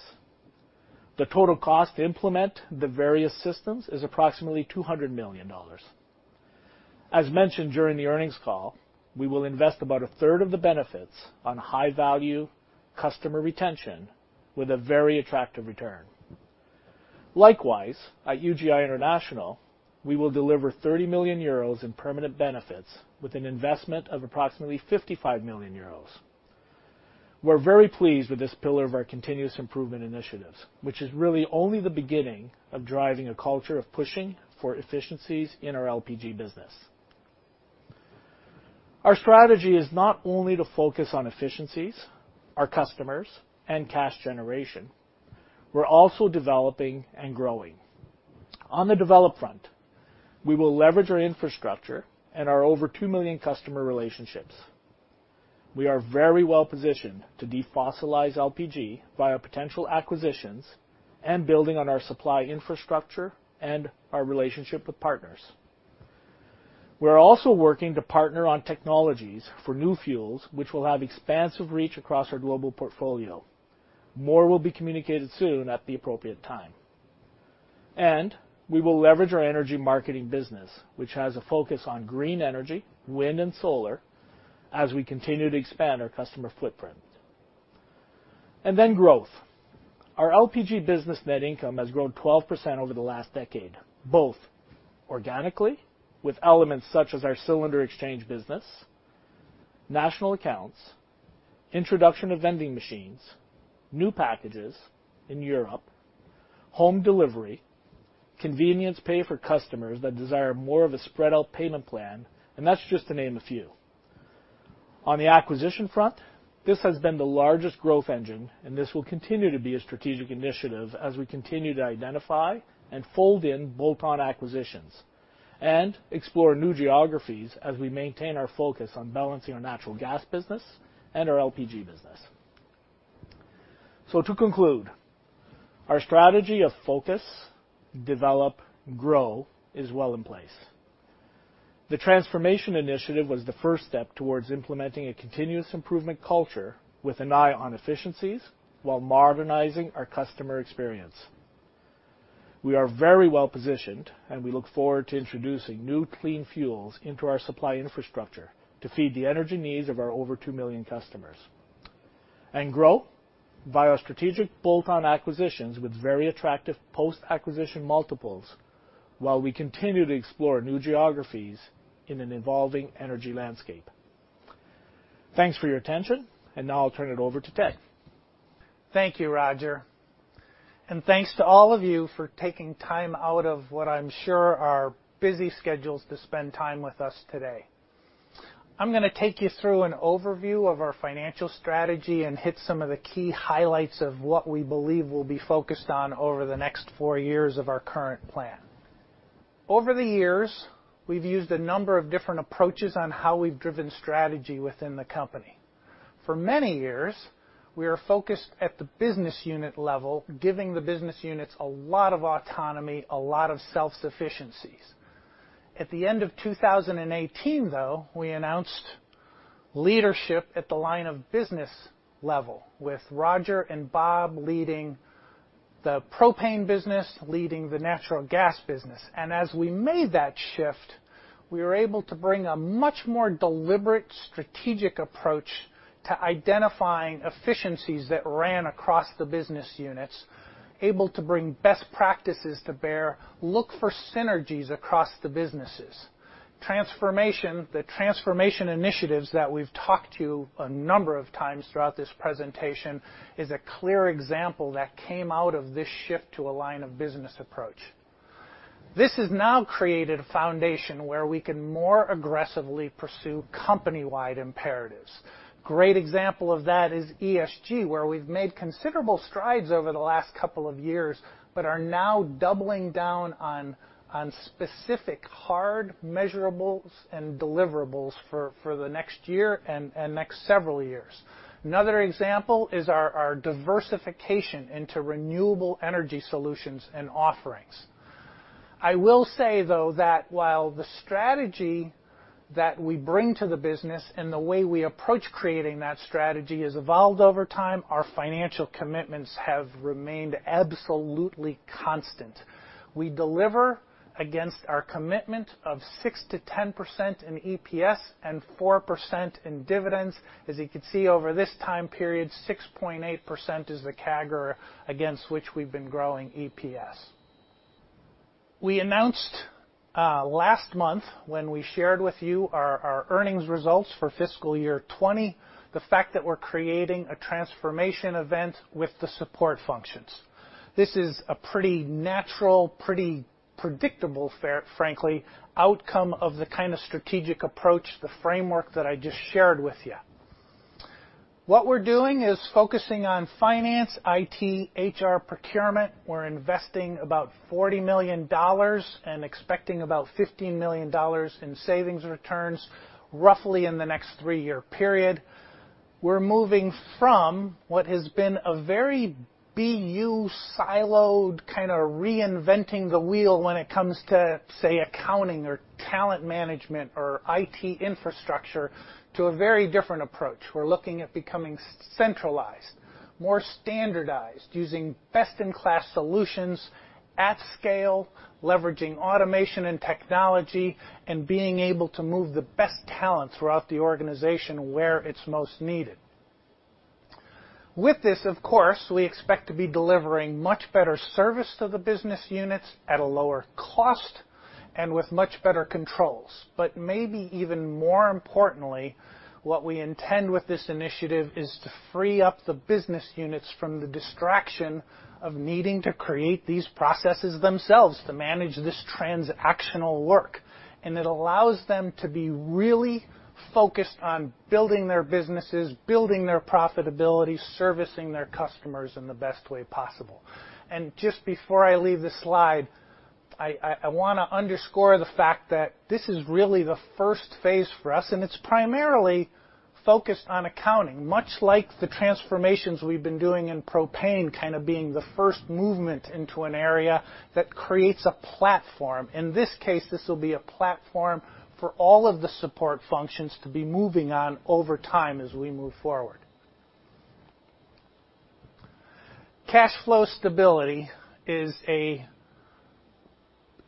The total cost to implement the various systems is approximately $200 million. As mentioned during the earnings call, we will invest about a third of the benefits on high-value customer retention with a very attractive return. Likewise, at UGI International, we will deliver 30 million euros in permanent benefits with an investment of approximately 55 million euros. We're very pleased with this pillar of our continuous improvement initiatives, which is really only the beginning of driving a culture of pushing for efficiencies in our LPG business. Our strategy is not only to focus on efficiencies, our customers, and cash generation. We're also developing and growing. On the develop front, we will leverage our infrastructure and our over 2 million customer relationships. We are very well-positioned to defossilize LPG via potential acquisitions and building on our supply infrastructure and our relationship with partners. We are also working to partner on technologies for new fuels, which will have expansive reach across our global portfolio. More will be communicated soon at the appropriate time. We will leverage our energy marketing business, which has a focus on green energy, wind, and solar, as we continue to expand our customer footprint. Growth. Our LPG business net income has grown 12% over the last decade, both organically, with elements such as our cylinder exchange business, national accounts, introduction of vending machines, new packages in Europe, home delivery, convenience pay for customers that desire more of a spread-out payment plan, and that's just to name a few. On the acquisition front, this has been the largest growth engine, and this will continue to be a strategic initiative as we continue to identify and fold in bolt-on acquisitions and explore new geographies as we maintain our focus on balancing our natural gas business and our LPG business. To conclude, our strategy of focus, develop, grow, is well in place. The transformation initiative was the first step towards implementing a continuous improvement culture with an eye on efficiencies while modernizing our customer experience. We are very well-positioned, and we look forward to introducing new clean fuels into our supply infrastructure to feed the energy needs of our over 2 million customers. Grow via strategic bolt-on acquisitions with very attractive post-acquisition multiples, while we continue to explore new geographies in an evolving energy landscape. Thanks for your attention, and now I'll turn it over to Ted. Thank you, Roger. Thanks to all of you for taking time out of what I'm sure are busy schedules to spend time with us today. I'm going to take you through an overview of our financial strategy and hit some of the key highlights of what we believe we'll be focused on over the next four years of our current plan. Over the years, we've used a number of different approaches on how we've driven strategy within the company. For many years, we are focused at the business unit level, giving the business units a lot of autonomy, a lot of self-sufficiencies. At the end of 2018, though, we announced leadership at the line of business level with Roger and Bob leading the propane business, leading the natural gas business. As we made that shift, we were able to bring a much more deliberate strategic approach to identifying efficiencies that ran across the business units, able to bring best practices to bear, look for synergies across the businesses. The transformation initiatives that we've talked to you a number of times throughout this presentation is a clear example that came out of this shift to a line of business approach. This has now created a foundation where we can more aggressively pursue company-wide imperatives. Great example of that is ESG, where we've made considerable strides over the last couple of years, but are now doubling down on specific, hard measureables and deliverables for the next year and next several years. Another example is our diversification into renewable energy solutions and offerings. I will say, though, that while the strategy that we bring to the business and the way we approach creating that strategy has evolved over time, our financial commitments have remained absolutely constant. We deliver against our commitment of 6%-10% in EPS and 4% in dividends. As you can see over this time period, 6.8% is the CAGR against which we've been growing EPS. We announced last month when we shared with you our earnings results for fiscal year 2020, the fact that we're creating a transformation event with the support functions. This is a pretty natural, pretty predictable, frankly, outcome of the kind of strategic approach, the framework that I just shared with you. What we're doing is focusing on finance, IT, HR, procurement. We're investing about $40 million and expecting about $15 million in savings returns roughly in the next three-year period. We're moving from what has been a very BU siloed, kind of reinventing the wheel when it comes to, say, accounting or talent management or IT infrastructure to a very different approach. We're looking at becoming centralized, more standardized, using best-in-class solutions at scale, leveraging automation and technology, and being able to move the best talent throughout the organization where it's most needed. With this, of course, we expect to be delivering much better service to the business units at a lower cost and with much better controls. Maybe even more importantly, what we intend with this initiative is to free up the business units from the distraction of needing to create these processes themselves to manage this transactional work. It allows them to be really focused on building their businesses, building their profitability, servicing their customers in the best way possible. Just before I leave this slide, I want to underscore the fact that this is really the first phase for us, and it's primarily focused on accounting, much like the transformations we've been doing in propane, kind of being the first movement into an area that creates a platform. In this case, this will be a platform for all of the support functions to be moving on over time as we move forward. Cash flow stability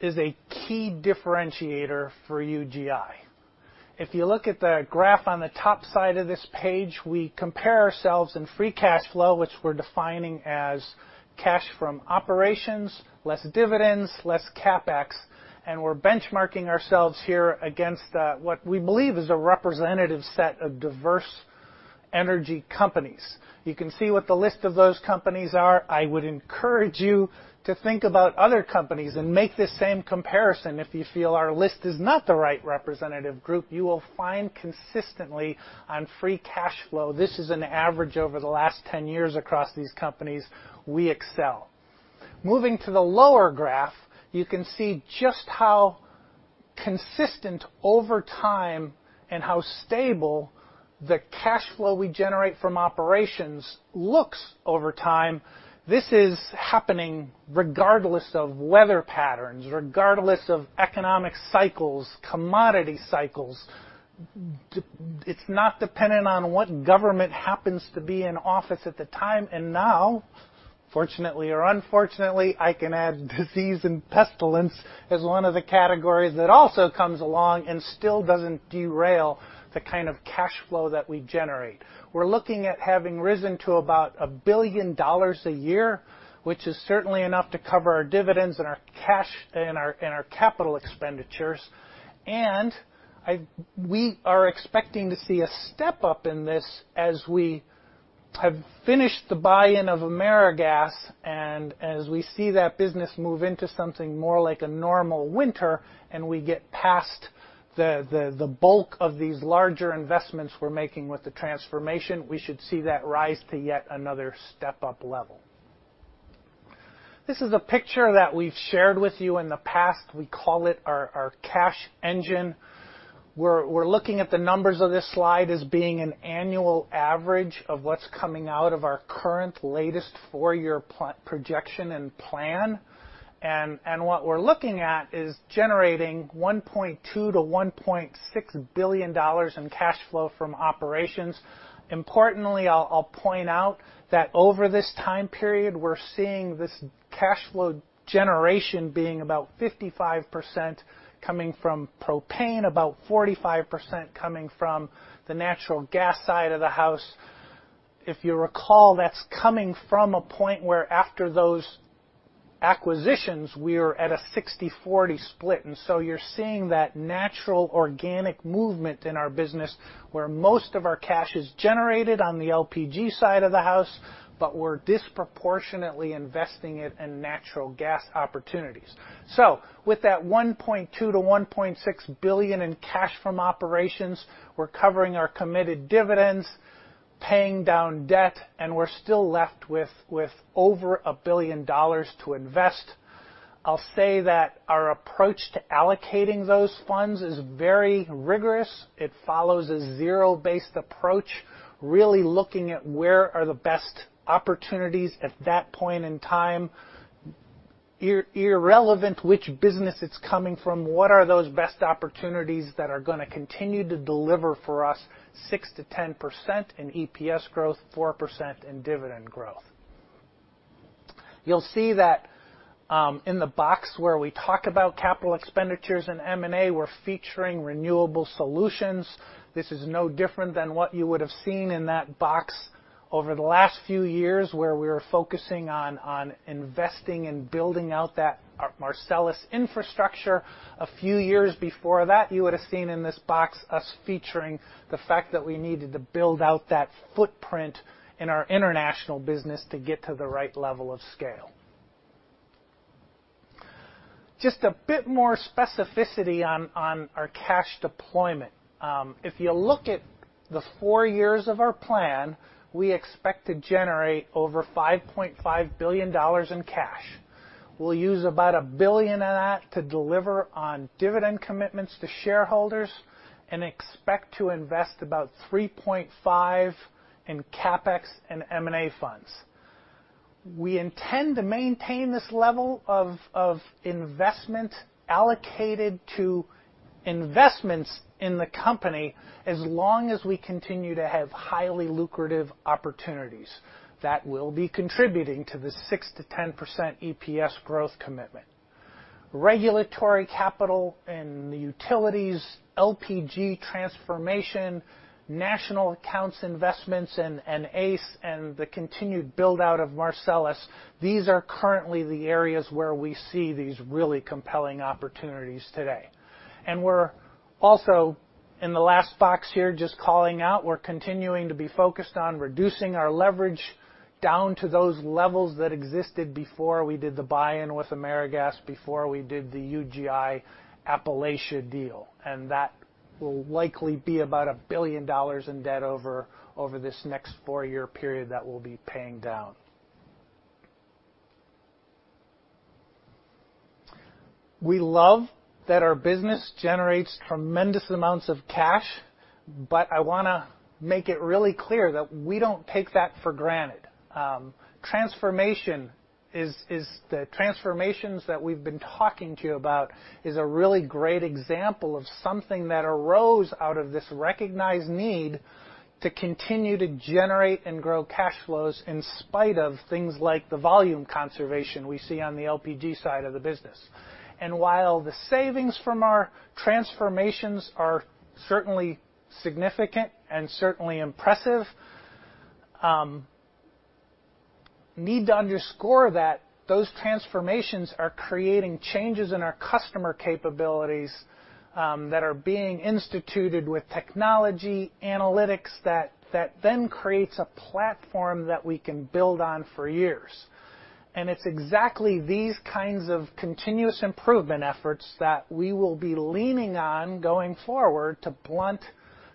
is a key differentiator for UGI. If you look at the graph on the top side of this page, we compare ourselves in free cash flow, which we're defining as cash from operations, less dividends, less CapEx, and we're benchmarking ourselves here against what we believe is a representative set of diverse energy companies. You can see what the list of those companies are. I would encourage you to think about other companies and make the same comparison if you feel our list is not the right representative group. You will find consistently on free cash flow, this is an average over the last 10 years across these companies, we excel. Moving to the lower graph, you can see just how consistent over time and how stable the cash flow we generate from operations looks over time. This is happening regardless of weather patterns, regardless of economic cycles, commodity cycles. It's not dependent on what government happens to be in office at the time. Now, fortunately or unfortunately, I can add disease and pestilence as one of the categories that also comes along and still doesn't derail the kind of cash flow that we generate. We're looking at having risen to about $1 billion a year, which is certainly enough to cover our dividends and our capital expenditures. We are expecting to see a step-up in this as we have finished the buy-in of AmeriGas, and as we see that business move into something more like a normal winter, and we get past the bulk of these larger investments we're making with the transformation, we should see that rise to yet another step-up level. This is a picture that we've shared with you in the past. We call it our cash engine. We're looking at the numbers of this slide as being an annual average of what's coming out of our current latest four-year projection and plan. What we're looking at is generating $1.2 billion-$1.6 billion in cash flow from operations. I'll point out that over this time period, we're seeing this cash flow generation being about 55% coming from propane, about 45% coming from the natural gas side of the house. If you recall, that's coming from a point where after those acquisitions, we're at a 60/40 split, you're seeing that natural, organic movement in our business, where most of our cash is generated on the LPG side of the house, but we're disproportionately investing it in natural gas opportunities. With that $1.2 billion-$1.6 billion in cash from operations, we're covering our committed dividends, paying down debt, and we're still left with over $1 billion to invest. I'll say that our approach to allocating those funds is very rigorous. It follows a zero-based approach, really looking at where are the best opportunities at that point in time. Irrelevant which business it's coming from, what are those best opportunities that are going to continue to deliver for us 6%-10% in EPS growth, 4% in dividend growth. You'll see that in the box where we talk about capital expenditures and M&A, we're featuring renewable solutions. This is no different than what you would have seen in that box over the last few years, where we were focusing on investing in building out that Marcellus infrastructure. A few years before that, you would've seen in this box us featuring the fact that we needed to build out that footprint in our International business to get to the right level of scale. Just a bit more specificity on our cash deployment. If you look at the four years of our plan, we expect to generate over $5.5 billion in cash. We'll use about $1 billion of that to deliver on dividend commitments to shareholders and expect to invest about $3.5 billion in CapEx and M&A funds. We intend to maintain this level of investment allocated to investments in the company as long as we continue to have highly lucrative opportunities that will be contributing to the 6%-10% EPS growth commitment. Regulatory capital in the utilities, LPG transformation, National Accounts investments in ACE, and the continued build-out of Marcellus. These are currently the areas where we see these really compelling opportunities today. We're also, in the last box here, just calling out, we're continuing to be focused on reducing our leverage down to those levels that existed before we did the buy-in with AmeriGas, before we did the UGI Appalachia deal. That will likely be about $1 billion in debt over this next four-year period that we'll be paying down. We love that our business generates tremendous amounts of cash, but I want to make it really clear that we don't take that for granted. The transformations that we've been talking to you about is a really great example of something that arose out of this recognized need to continue to generate and grow cash flows in spite of things like the volume conservation we see on the LPG side of the business. While the savings from our transformations are certainly significant and certainly impressive, we need to underscore that those transformations are creating changes in our customer capabilities that are being instituted with technology, analytics, that then creates a platform that we can build on for years. It's exactly these kinds of continuous improvement efforts that we will be leaning on going forward to blunt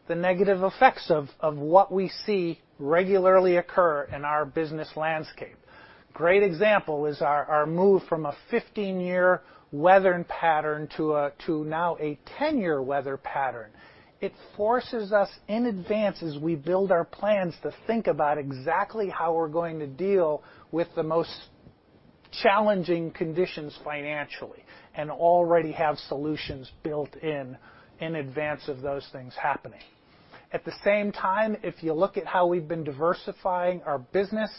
the negative effects of what we see regularly occur in our business landscape. Great example is our move from a 15-year weather pattern to now a 10-year weather pattern. It forces us in advance, as we build our plans, to think about exactly how we're going to deal with the most challenging conditions financially and already have solutions built in in advance of those things happening. At the same time, if you look at how we've been diversifying our business,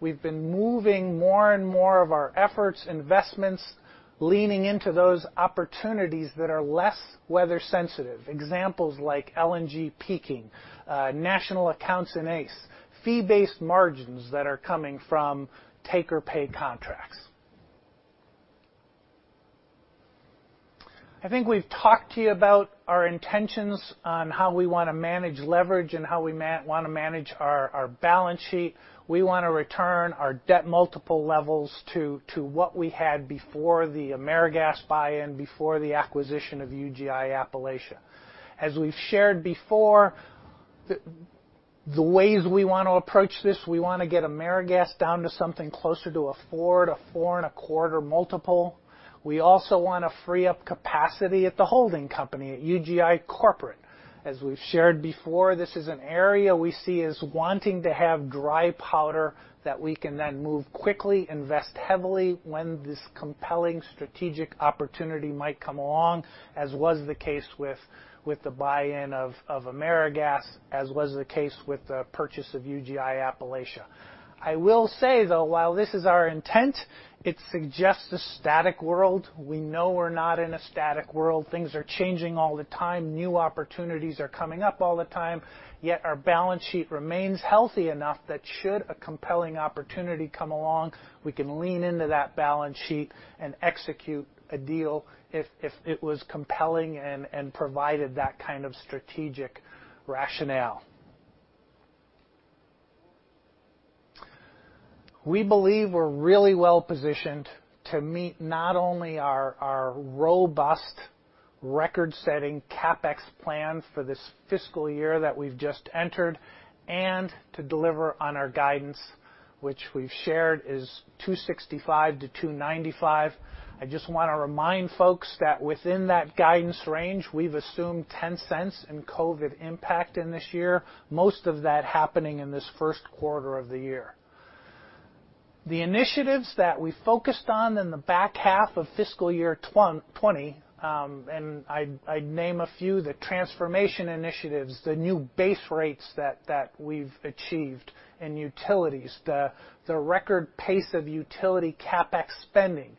we've been moving more and more of our efforts, investments, leaning into those opportunities that are less weather sensitive. Examples like LNG peaking, National Accounts and ACE, fee-based margins that are coming from take-or-pay contracts. I think we've talked to you about our intentions on how we want to manage leverage and how we want to manage our balance sheet. We want to return our debt multiple levels to what we had before the AmeriGas buy-in, before the acquisition of UGI Appalachia. As we've shared before, the ways we want to approach this, we want to get AmeriGas down to something closer to a four to 4.25 multiple. We also want to free up capacity at the holding company, at UGI Corporate. As we've shared before, this is an area we see as wanting to have dry powder that we can then move quickly, invest heavily when this compelling strategic opportunity might come along, as was the case with the buy-in of AmeriGas, as was the case with the purchase of UGI Appalachia. I will say, though, while this is our intent, it suggests a static world. We know we're not in a static world. Things are changing all the time. New opportunities are coming up all the time, yet our balance sheet remains healthy enough that should a compelling opportunity come along, we can lean into that balance sheet and execute a deal if it was compelling and provided that kind of strategic rationale. We believe we're really well-positioned to meet not only our robust record-setting CapEx plans for this fiscal year that we've just entered and to deliver on our guidance, which we've shared is $2.65-$2.95. I just want to remind folks that within that guidance range, we've assumed $0.10 in COVID impact in this year, most of that happening in this first quarter of the year. The initiatives that we focused on in the back half of fiscal year 2020, and I name a few, the transformation initiatives, the new base rates that we've achieved in utilities, the record pace of utility CapEx spending,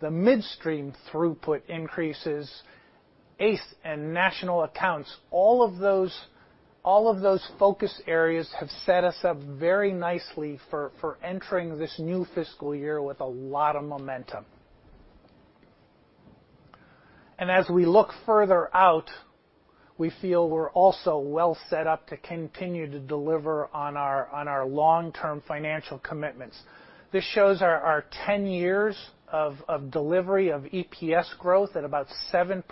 the midstream throughput increases, ACE and National Accounts. All of those focus areas have set us up very nicely for entering this new fiscal year with a lot of momentum. As we look further out, we feel we're also well set up to continue to deliver on our long-term financial commitments. This shows our 10 years of delivery of EPS growth at about 7%.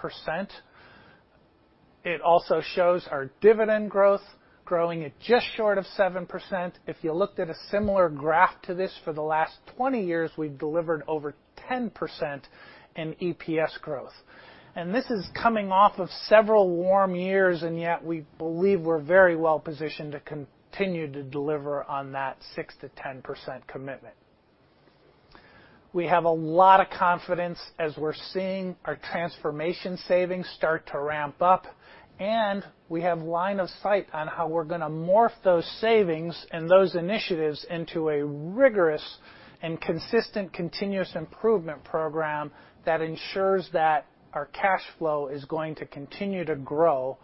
It also shows our dividend growth growing at just short of 7%. If you looked at a similar graph to this for the last 20 years, we've delivered over 10% in EPS growth. This is coming off of several warm years, yet we believe we're very well-positioned to continue to deliver on that 6%-10% commitment. We have a lot of confidence as we're seeing our transformation savings start to ramp up, and we have line of sight on how we're going to morph those savings and those initiatives into a rigorous and consistent continuous improvement program that ensures that our cash flow is going to continue to grow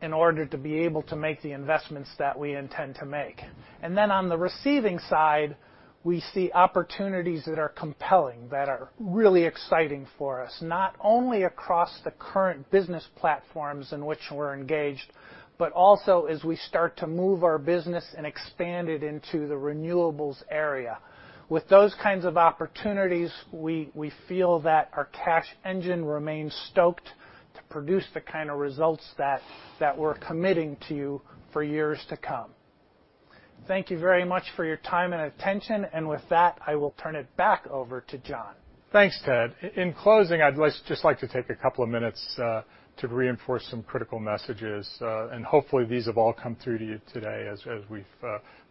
in order to be able to make the investments that we intend to make. On the receiving side, we see opportunities that are compelling, that are really exciting for us, not only across the current business platforms in which we're engaged, but also as we start to move our business and expand it into the renewables area. With those kinds of opportunities, we feel that our cash engine remains stoked to produce the kind of results that we're committing to you for years to come. Thank you very much for your time and attention. With that, I will turn it back over to John. Thanks, Ted. In closing, I'd just like to take a couple of minutes to reinforce some critical messages, and hopefully, these have all come through to you today as we've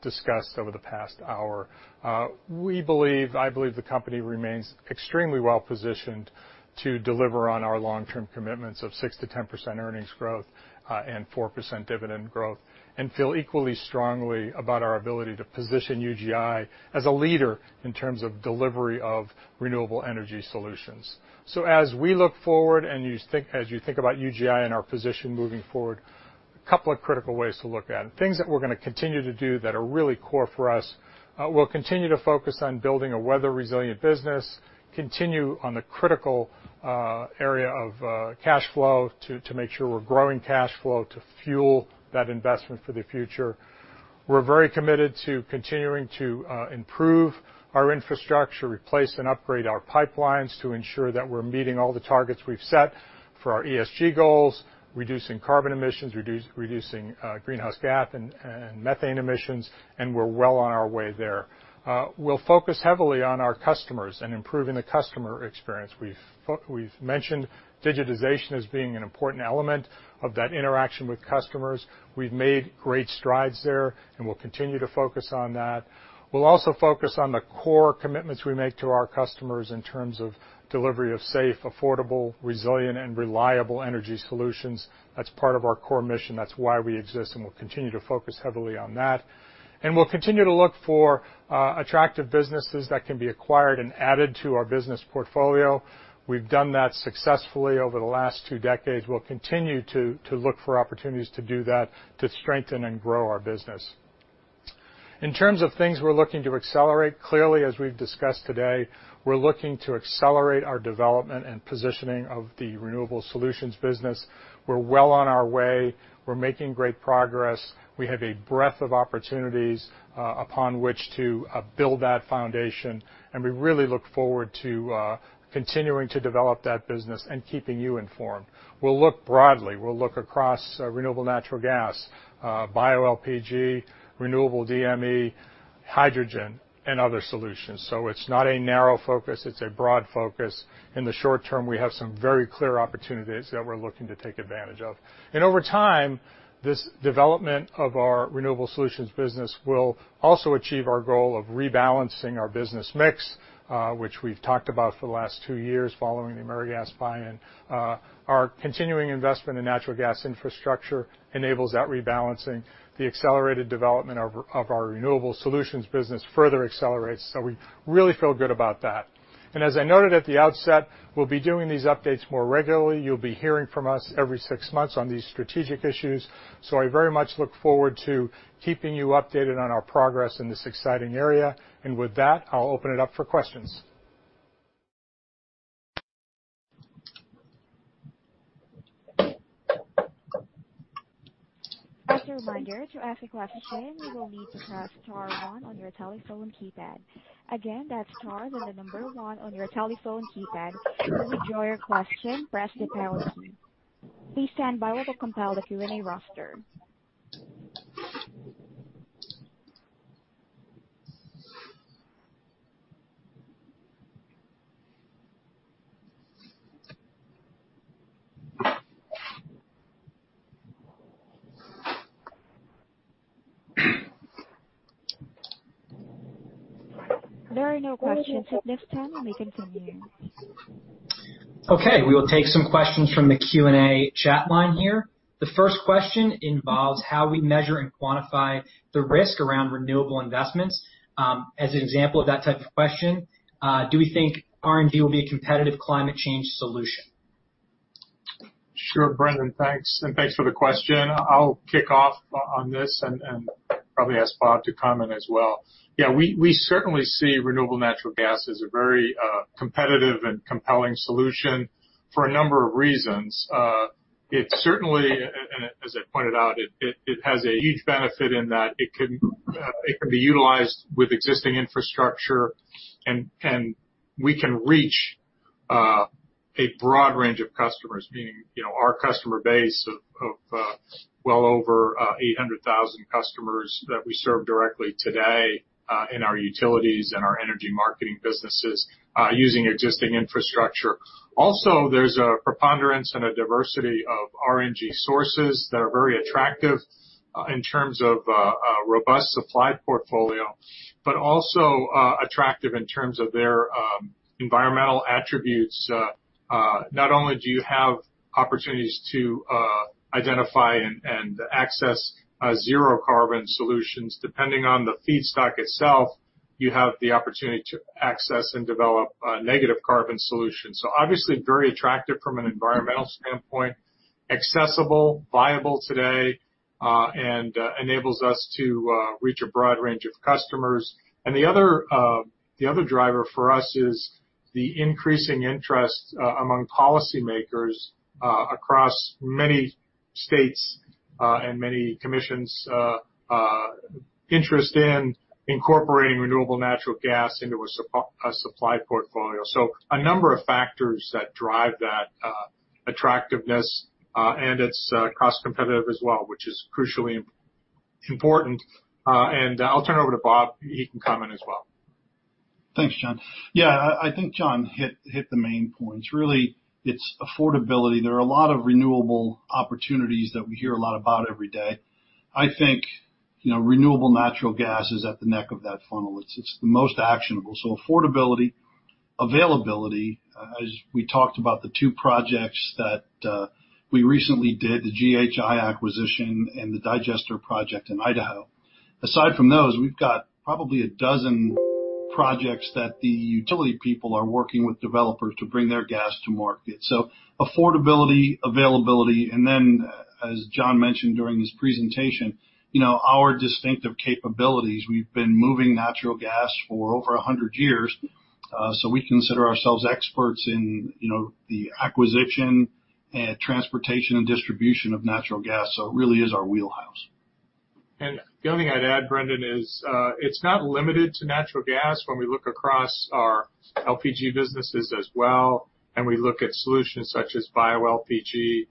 discussed over the past hour. I believe the company remains extremely well-positioned to deliver on our long-term commitments of 6%-10% earnings growth and 4% dividend growth, and feel equally strongly about our ability to position UGI as a leader in terms of delivery of renewable energy solutions. As we look forward and as you think about UGI and our position moving forward, a couple of critical ways to look at it. Things that we're going to continue to do that are really core for us, we'll continue to focus on building a weather-resilient business, continue on the critical area of cash flow to make sure we're growing cash flow to fuel that investment for the future. We're very committed to continuing to improve our infrastructure, replace and upgrade our pipelines to ensure that we're meeting all the targets we've set for our ESG goals, reducing carbon emissions, reducing greenhouse gas and methane emissions. We're well on our way there. We'll focus heavily on our customers and improving the customer experience. We've mentioned digitization as being an important element of that interaction with customers. We've made great strides there. We'll continue to focus on that. We'll also focus on the core commitments we make to our customers in terms of delivery of safe, affordable, resilient, and reliable energy solutions. That's part of our core mission. That's why we exist. We'll continue to focus heavily on that. We'll continue to look for attractive businesses that can be acquired and added to our business portfolio. We've done that successfully over the last two decades. We'll continue to look for opportunities to do that to strengthen and grow our business. In terms of things we're looking to accelerate, clearly, as we've discussed today, we're looking to accelerate our development and positioning of the Renewable Solutions business. We're well on our way. We're making great progress. We have a breadth of opportunities upon which to build that foundation, and we really look forward to continuing to develop that business and keeping you informed. We'll look broadly. We'll look across renewable natural gas, bioLPG, renewable DME, hydrogen, and other solutions. It's not a narrow focus, it's a broad focus. In the short term, we have some very clear opportunities that we're looking to take advantage of. Over time, this development of our Renewable Solutions Business will also achieve our goal of rebalancing our business mix, which we've talked about for the last two years following the AmeriGas buy-in. Our continuing investment in natural gas infrastructure enables that rebalancing. The accelerated development of our Renewable Solutions Business further accelerates, so we really feel good about that. As I noted at the outset, we'll be doing these updates more regularly. You'll be hearing from us every six months on these strategic issues. I very much look forward to keeping you updated on our progress in this exciting area. With that, I'll open it up for questions. As a reminder, to ask a question, you will need to press star one on your telephone keypad. Again, that's star, then the number one on your telephone keypad. To withdraw your question, press the pound key. Please stand by while we compile the Q&A roster. There are no questions at this time. We continue. Okay, we will take some questions from the Q&A chat line here. The first question involves how we measure and quantify the risk around renewable investments. As an example of that type of question, do we think RNG will be a competitive climate change solution? Sure, Brendan, thanks. Thanks for the question. I'll kick off on this and probably ask Bob to comment as well. Yeah, we certainly see renewable natural gas as a very competitive and compelling solution for a number of reasons. It certainly, as I pointed out, it has a huge benefit in that it can be utilized with existing infrastructure, and we can reach a broad range of customers, meaning our customer base of well over 800,000 customers that we serve directly today in our utilities and our energy marketing businesses using existing infrastructure. There's a preponderance and a diversity of RNG sources that are very attractive in terms of a robust supply portfolio, but also attractive in terms of their environmental attributes. Not only do you have opportunities to identify and access zero-carbon solutions. Depending on the feedstock itself, you have the opportunity to access and develop negative carbon solutions. Obviously very attractive from an environmental standpoint, accessible, viable today, and enables us to reach a broad range of customers. The other driver for us is the increasing interest among policymakers across many states and many commissions' interest in incorporating renewable natural gas into a supply portfolio. A number of factors that drive that attractiveness, and it's cost competitive as well, which is crucially important. I'll turn it over to Bob. He can comment as well. Thanks, John. I think John hit the main points. It's affordability. There are a lot of renewable opportunities that we hear a lot about every day. I think renewable natural gas is at the neck of that funnel. It's the most actionable. Affordability, availability, as we talked about the two projects that we recently did, the GHI acquisition and the digester project in Idaho. Aside from those, we've got probably a dozen projects that the utility people are working with developers to bring their gas to market. Affordability, availability, as John mentioned during his presentation, our distinctive capabilities. We've been moving natural gas for over 100 years, we consider ourselves experts in the acquisition and transportation and distribution of natural gas. It really is our wheelhouse. The only thing I'd add, Brendan, is it's not limited to natural gas when we look across our LPG businesses as well, we look at solutions such as bioLPG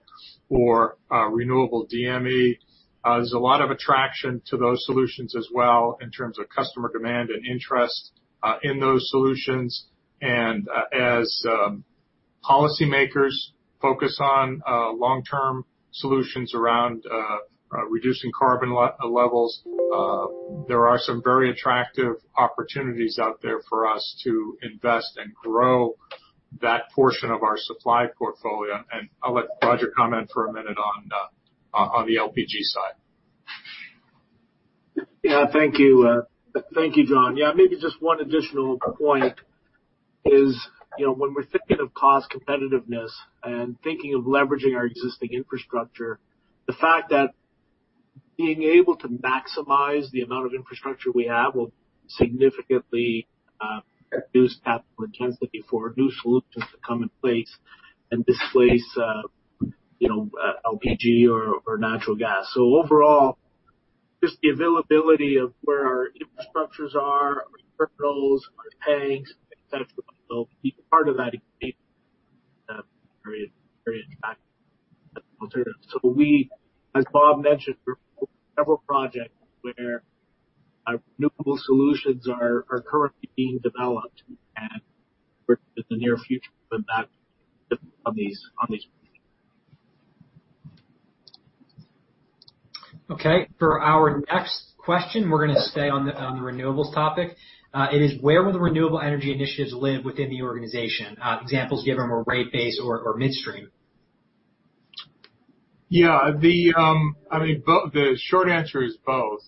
or renewable DME. There's a lot of attraction to those solutions as well in terms of customer demand and interest in those solutions. As policymakers focus on long-term solutions around reducing carbon levels, there are some very attractive opportunities out there for us to invest and grow that portion of our supply portfolio. I'll let Roger comment for a minute on the LPG side. Yeah. Thank you, John. Yeah, maybe just one additional point is when we're thinking of cost competitiveness and thinking of leveraging our existing infrastructure, the fact that being able to maximize the amount of infrastructure we have will significantly reduce capital intensity for new solutions to come in place and displace LPG or natural gas. Overall, just the availability of where our infrastructures are, our terminals, our tanks, et cetera, will be part of that equation. Very attractive alternative. We, as Bob mentioned, we're building several projects where our renewable solutions are currently being developed, and in the near future. Okay. For our next question, we're going to stay on the renewables topic. It is, where will the renewable energy initiatives live within the organization? Examples given were rate base or midstream. Yeah. The short answer is both.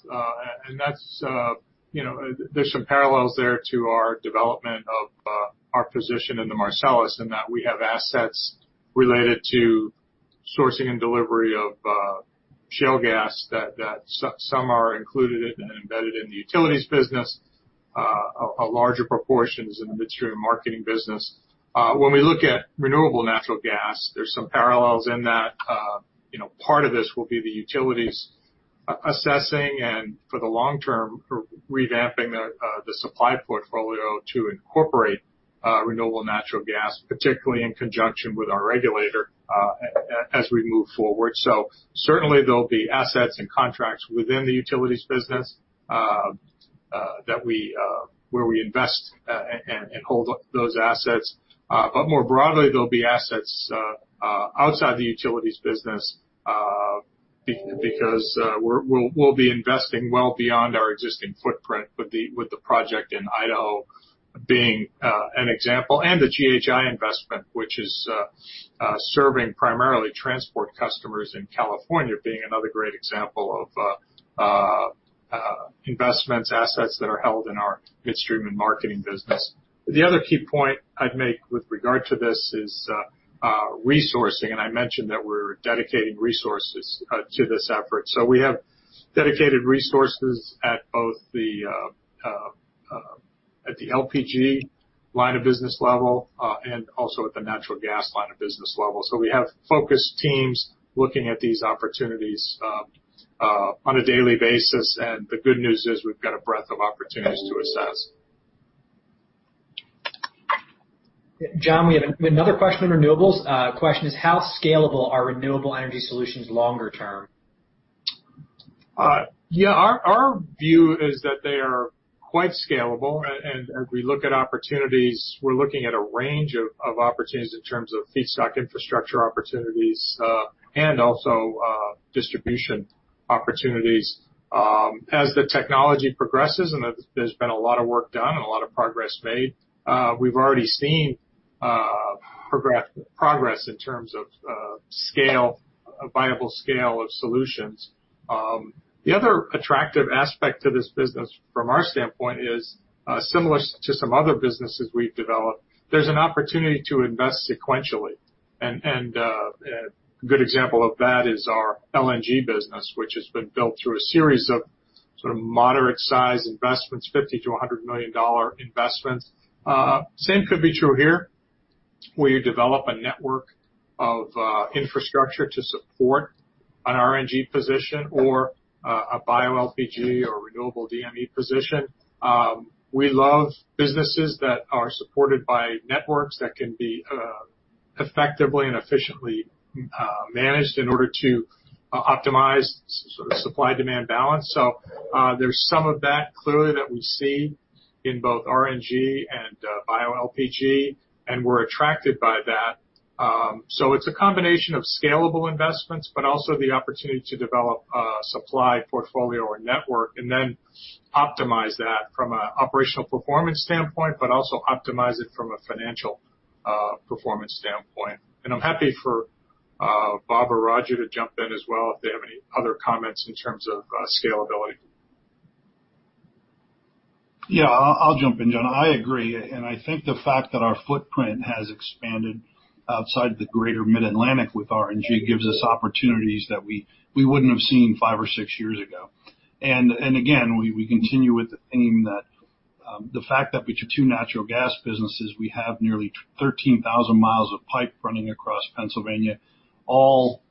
There's some parallels there to our development of our position in the Marcellus, in that we have assets related to sourcing and delivery of shale gas that some are included in and embedded in the utilities business. A larger proportion is in the midstream marketing business. When we look at renewable natural gas, there's some parallels in that. Part of this will be the utilities assessing and for the long term, revamping the supply portfolio to incorporate renewable natural gas, particularly in conjunction with our regulator as we move forward. Certainly, there'll be assets and contracts within the utilities business where we invest and hold those assets. More broadly, there'll be assets outside the utilities business because we'll be investing well beyond our existing footprint with the project in Idaho being an example, and the GHI investment, which is serving primarily transport customers in California, being another great example of investments, assets that are held in our midstream and marketing business. The other key point I'd make with regard to this is resourcing, and I mentioned that we're dedicating resources to this effort. We have dedicated resources at both the LPG line of business level, and also at the natural gas line of business level. We have focused teams looking at these opportunities on a daily basis, and the good news is we've got a breadth of opportunities to assess. John, we have another question on renewables. Question is, how scalable are renewable energy solutions longer term? Our view is that they are quite scalable, and as we look at opportunities, we're looking at a range of opportunities in terms of feedstock infrastructure opportunities, and also distribution opportunities. As the technology progresses and there's been a lot of work done and a lot of progress made, we've already seen progress in terms of a viable scale of solutions. The other attractive aspect to this business from our standpoint is similar to some other businesses we've developed. There's an opportunity to invest sequentially. A good example of that is our LNG business, which has been built through a series of moderate size investments, $50 million-$100 million investments. Same could be true here, where you develop a network of infrastructure to support an RNG position or a bioLPG or renewable DME position. We love businesses that are supported by networks that can be effectively and efficiently managed in order to optimize supply-demand balance. There's some of that clearly that we see in both RNG and bioLPG, and we're attracted by that. It's a combination of scalable investments, but also the opportunity to develop a supply portfolio or network and then optimize that from an operational performance standpoint, but also optimize it from a financial performance standpoint. I'm happy for Bob or Roger to jump in as well if they have any other comments in terms of scalability. Yeah. I'll jump in, John. I agree, and I think the fact that our footprint has expanded outside the greater Mid-Atlantic with RNG gives us opportunities that we wouldn't have seen five or six years ago. Again, we continue with the theme that the fact that between two natural gas businesses, we have nearly 13,000 mi of pipe running across Pennsylvania, a lot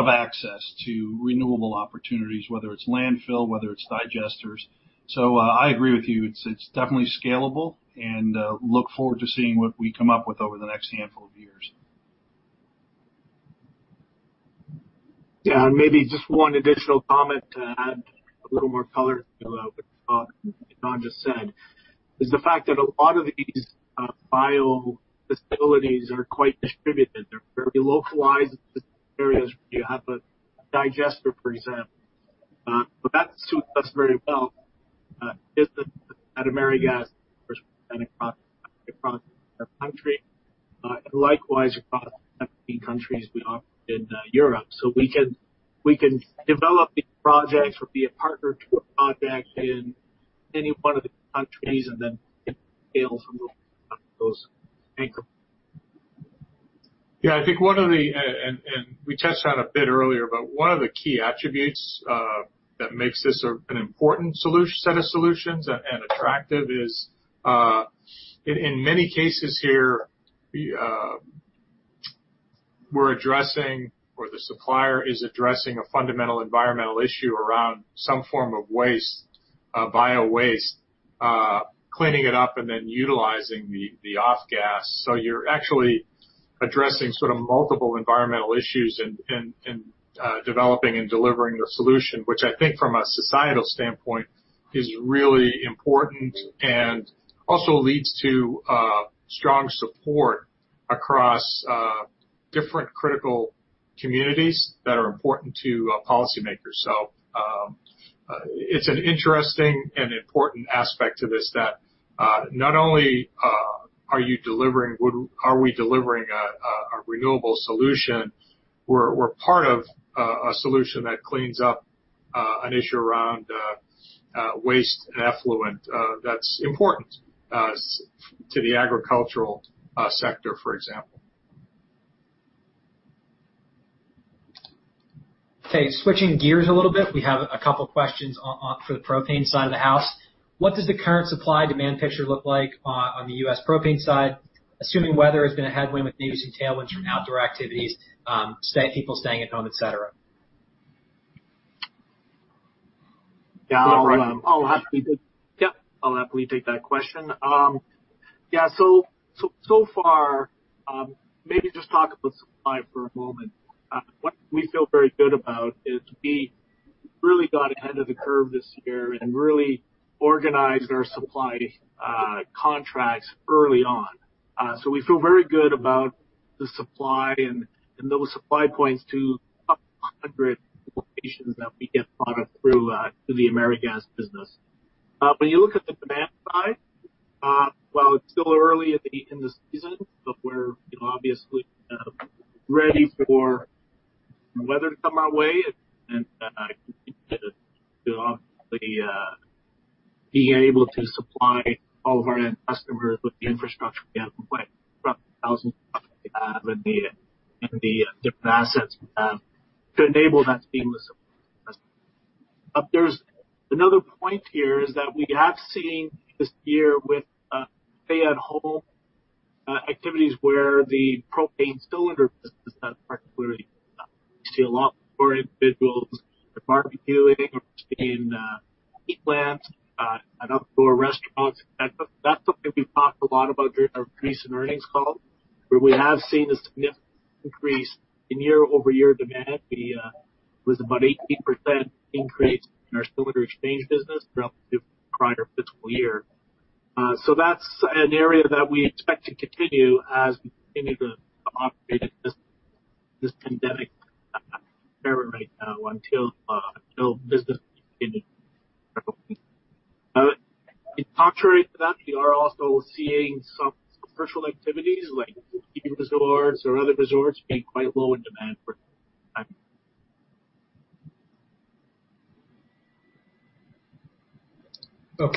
of access to renewable opportunities, whether it's landfill, whether it's digesters. I agree with you. It's definitely scalable, and look forward to seeing what we come up with over the next handful of years. Yeah. Maybe just one additional comment to add a little more color to what Bob and John just said, is the fact that a lot of these bio facilities are quite distributed. They're very localized areas where you have a digester, for example. That suits us very well. Business at AmeriGas, of course, spread across the country. Likewise across the 17 countries we operate in Europe. We can develop these projects or be a partner to a project in any one of the countries and then scale from those anchor. Yeah, I think one of the key attributes that makes this an important set of solutions and attractive is, in many cases here, we're addressing, or the supplier is addressing a fundamental environmental issue around some form of waste, bio-waste, cleaning it up and then utilizing the off gas. You're actually addressing sort of multiple environmental issues in developing and delivering the solution, which I think from a societal standpoint is really important and also leads to strong support across different critical communities that are important to policymakers. It's an interesting and important aspect to this that not only are we delivering a renewable solution, we're part of a solution that cleans up an issue around waste and effluent that's important to the agricultural sector, for example. Switching gears a little bit. We have a couple questions for the propane side of the house. What does the current supply-demand picture look like on the U.S. propane side, assuming weather has been a headwind with maybe some tailwinds from outdoor activities, people staying at home, et cetera? I'll happily take that question. So far, maybe just talk about supply for a moment. What we feel very good about is we really got ahead of the curve this year and really organized our supply contracts early on. We feel very good about the supply and those supply points to a couple hundred locations that we get product through to the AmeriGas business. When you look at the demand side, while it's still early in the season, we're obviously ready for weather to come our way and continue to obviously be able to supply all of our end customers with the infrastructure we have in place. Roughly 1,000 and the different assets we have to enable that seamless supply. There's another point here is that we have seen this year with stay-at-home activities where the propane cylinder business has particularly taken off. We see a lot more individuals either barbecuing or staying in heat lamps at outdoor restaurants. That's something we've talked a lot about during our recent earnings call, where we have seen a significant increase in year-over-year demand. It was about an 18% increase in our cylinder exchange business relative to prior fiscal year. That's an area that we expect to continue as we continue to operate in this pandemic environment right now until business continues. Contrary to that, we are also seeing some social activities like ski resorts or other resorts being quite low in demand for the time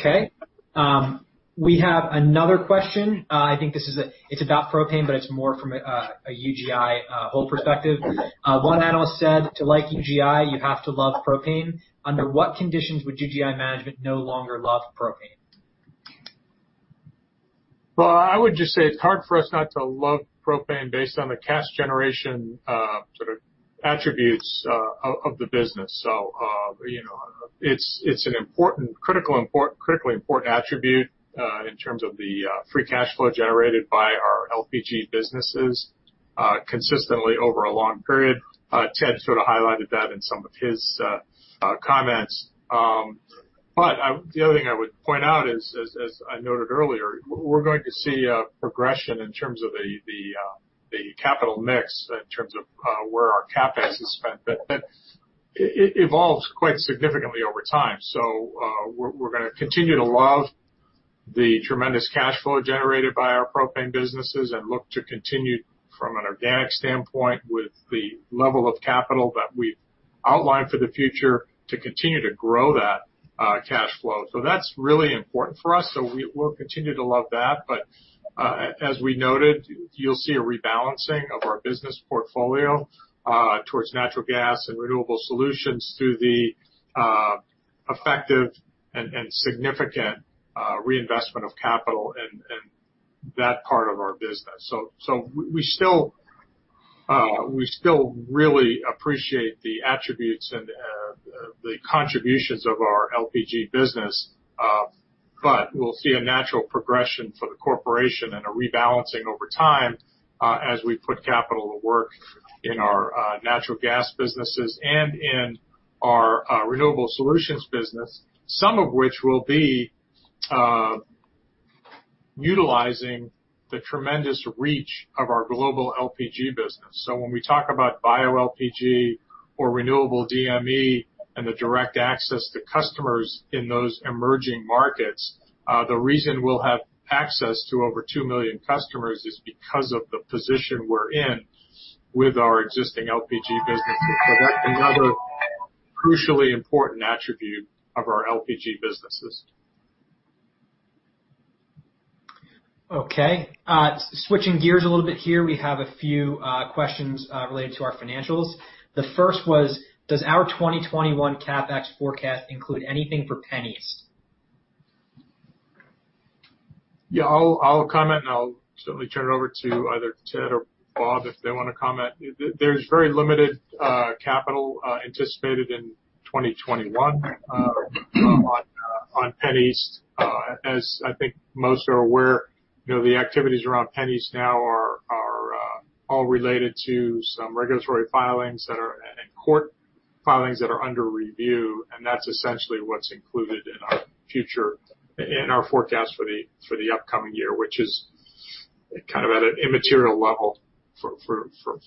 being. We have another question. I think it's about propane, but it's more from a UGI whole perspective. One analyst said, to like UGI, you have to love propane. Under what conditions would UGI management no longer love propane? Well, I would just say it's hard for us not to love propane based on the cash generation attributes of the business. It's a critically important attribute in terms of the free cash flow generated by our LPG businesses consistently over a long period. Ted sort of highlighted that in some of his comments. The other thing I would point out is, as I noted earlier, we're going to see a progression in terms of the capital mix, in terms of where our CapEx is spent, that it evolves quite significantly over time. We're going to continue to love the tremendous cash flow generated by our propane businesses and look to continue from an organic standpoint with the level of capital that we've outlined for the future to continue to grow that cash flow. That's really important for us. We'll continue to love that. As we noted, you'll see a rebalancing of our business portfolio towards natural gas and renewable solutions through the effective and significant reinvestment of capital in that part of our business. We still really appreciate the attributes and the contributions of our LPG business. We'll see a natural progression for the corporation and a rebalancing over time as we put capital to work in our natural gas businesses and in our renewable solutions business. Some of which will be utilizing the tremendous reach of our global LPG business. When we talk about bioLPG or renewable DME and the direct access to customers in those emerging markets. The reason we'll have access to over 2 million customers is because of the position we're in with our existing LPG business. That's another crucially important attribute of our LPG businesses. Okay. Switching gears a little bit here, we have a few questions related to our financials. The first was, does our 2021 CapEx forecast include anything for PennEast? I'll comment, and I'll certainly turn it over to either Ted or Bob if they want to comment. There's very limited capital anticipated in 2021 on PennEast. As I think most are aware, the activities around PennEast now are all related to some regulatory filings and court filings that are under review, and that's essentially what's included in our forecast for the upcoming year, which is at an immaterial level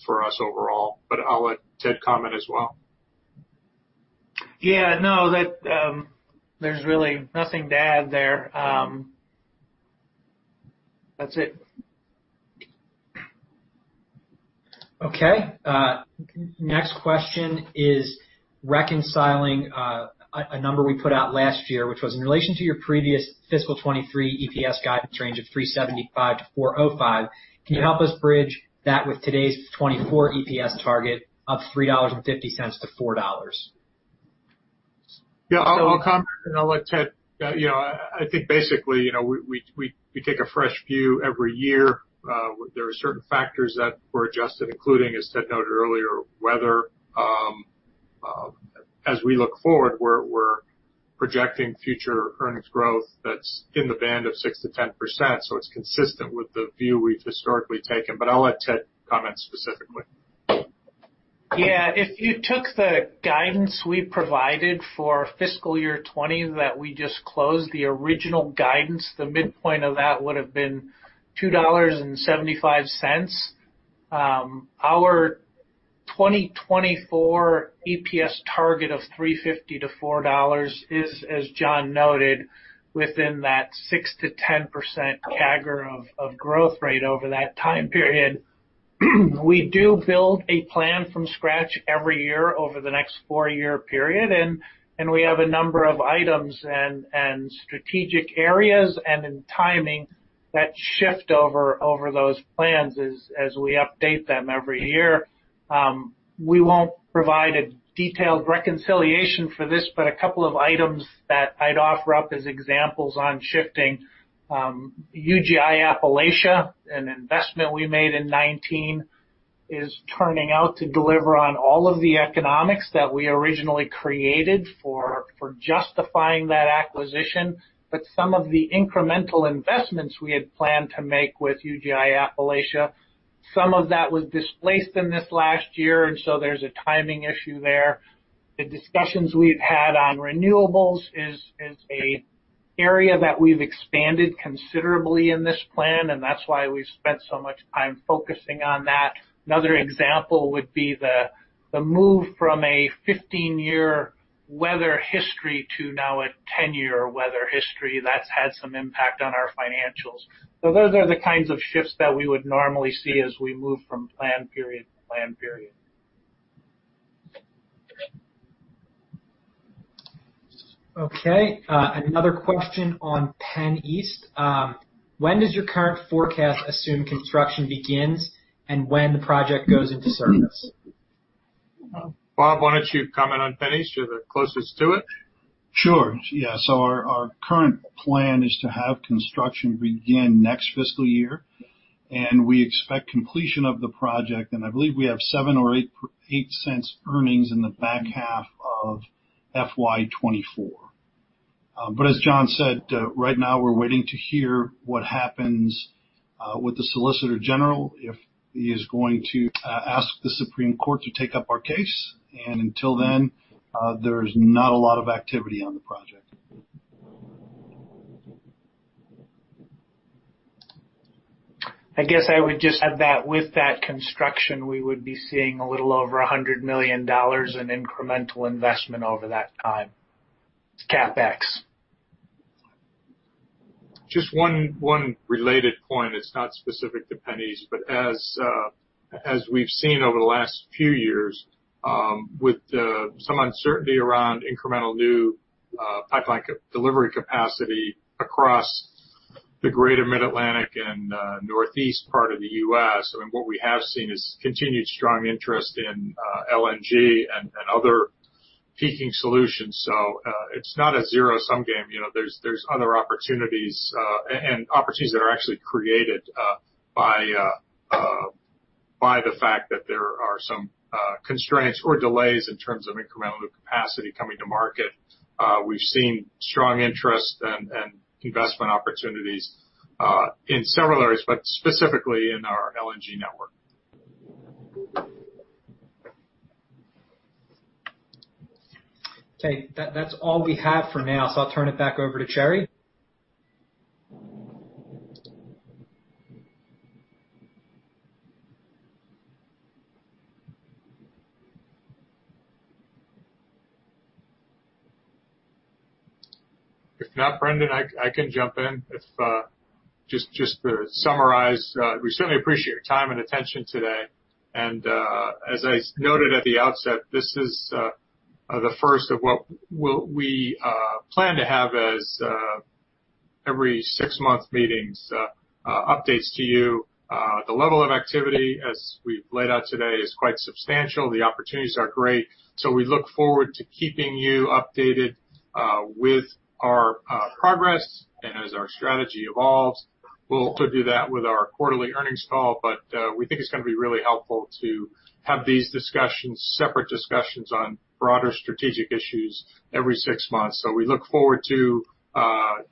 for us overall. I'll let Ted comment as well. Yeah, no. There's really nothing to add there. That's it. Okay. Next question is reconciling a number we put out last year, which was in relation to your previous fiscal 2023 EPS guidance range of $3.75-$4.05. Can you help us bridge that with today's 2024 EPS target of $3.50-$4.00? Yeah, I'll comment, and I'll let Ted I think basically, we take a fresh view every year. There are certain factors that were adjusted, including, as Ted noted earlier, weather. As we look forward, we're projecting future earnings growth that's in the band of 6%-10%. It's consistent with the view we've historically taken. I'll let Ted comment specifically. If you took the guidance we provided for fiscal year 2020 that we just closed, the original guidance, the midpoint of that would've been $2.75. Our 2024 EPS target of $3.50-$4.00 is, as John noted, within that 6%-10% CAGR of growth rate over that time period. We do build a plan from scratch every year over the next four-year period, and we have a number of items and strategic areas and in timing that shift over those plans as we update them every year. We won't provide a detailed reconciliation for this, but a couple of items that I'd offer up as examples on shifting. UGI Appalachia, an investment we made in 2019, is turning out to deliver on all of the economics that we originally created for justifying that acquisition. Some of the incremental investments we had planned to make with UGI Appalachia, some of that was displaced in this last year, and so there's a timing issue there. The discussions we've had on renewables is an area that we've expanded considerably in this plan, and that's why we spent so much time focusing on that. Another example would be the move from a 15-year weather history to now a 10-year weather history. That's had some impact on our financials. Those are the kinds of shifts that we would normally see as we move from plan period to plan period. Okay. Another question on PennEast. When does your current forecast assume construction begins, and when the project goes into service? Bob, why don't you comment on PennEast? You're the closest to it. Sure. Yeah. Our current plan is to have construction begin next fiscal year, and we expect completion of the project, and I believe we have $0.07-$0.08 earnings in the back half of FY 2024. As John said, right now we're waiting to hear what happens with the Solicitor General, if he is going to ask the Supreme Court to take up our case. Until then, there's not a lot of activity on the project. I guess I would just add that with that construction, we would be seeing a little over $100 million in incremental investment over that time. It's CapEx. Just one related point. It's not specific to PennEast. As we've seen over the last few years, with some uncertainty around incremental new pipeline delivery capacity across the greater Mid-Atlantic and Northeast part of the U.S., and what we have seen is continued strong interest in LNG and other peaking solutions. It's not a zero-sum game. There's other opportunities, and opportunities that are actually created by the fact that there are some constraints or delays in terms of incremental new capacity coming to market. We've seen strong interest and investment opportunities in several areas, but specifically in our LNG network. Okay. That's all we have for now, so I'll turn it back over to Cherry. If not, Brendan, I can jump in. Just to summarize, we certainly appreciate your time and attention today. As I noted at the outset, this is the first of what we plan to have as every six-month meetings updates to you. The level of activity, as we've laid out today, is quite substantial. The opportunities are great. We look forward to keeping you updated with our progress. As our strategy evolves, we'll also do that with our quarterly earnings call. We think it's going to be really helpful to have these discussions, separate discussions on broader strategic issues every six months. We look forward to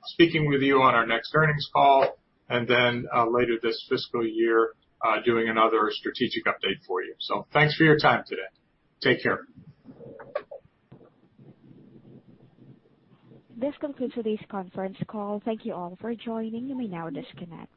speaking with you on our next earnings call, and then later this fiscal year, doing another strategic update for you. Thanks for your time today. Take care. This concludes today's conference call. Thank you all for joining. You may now disconnect.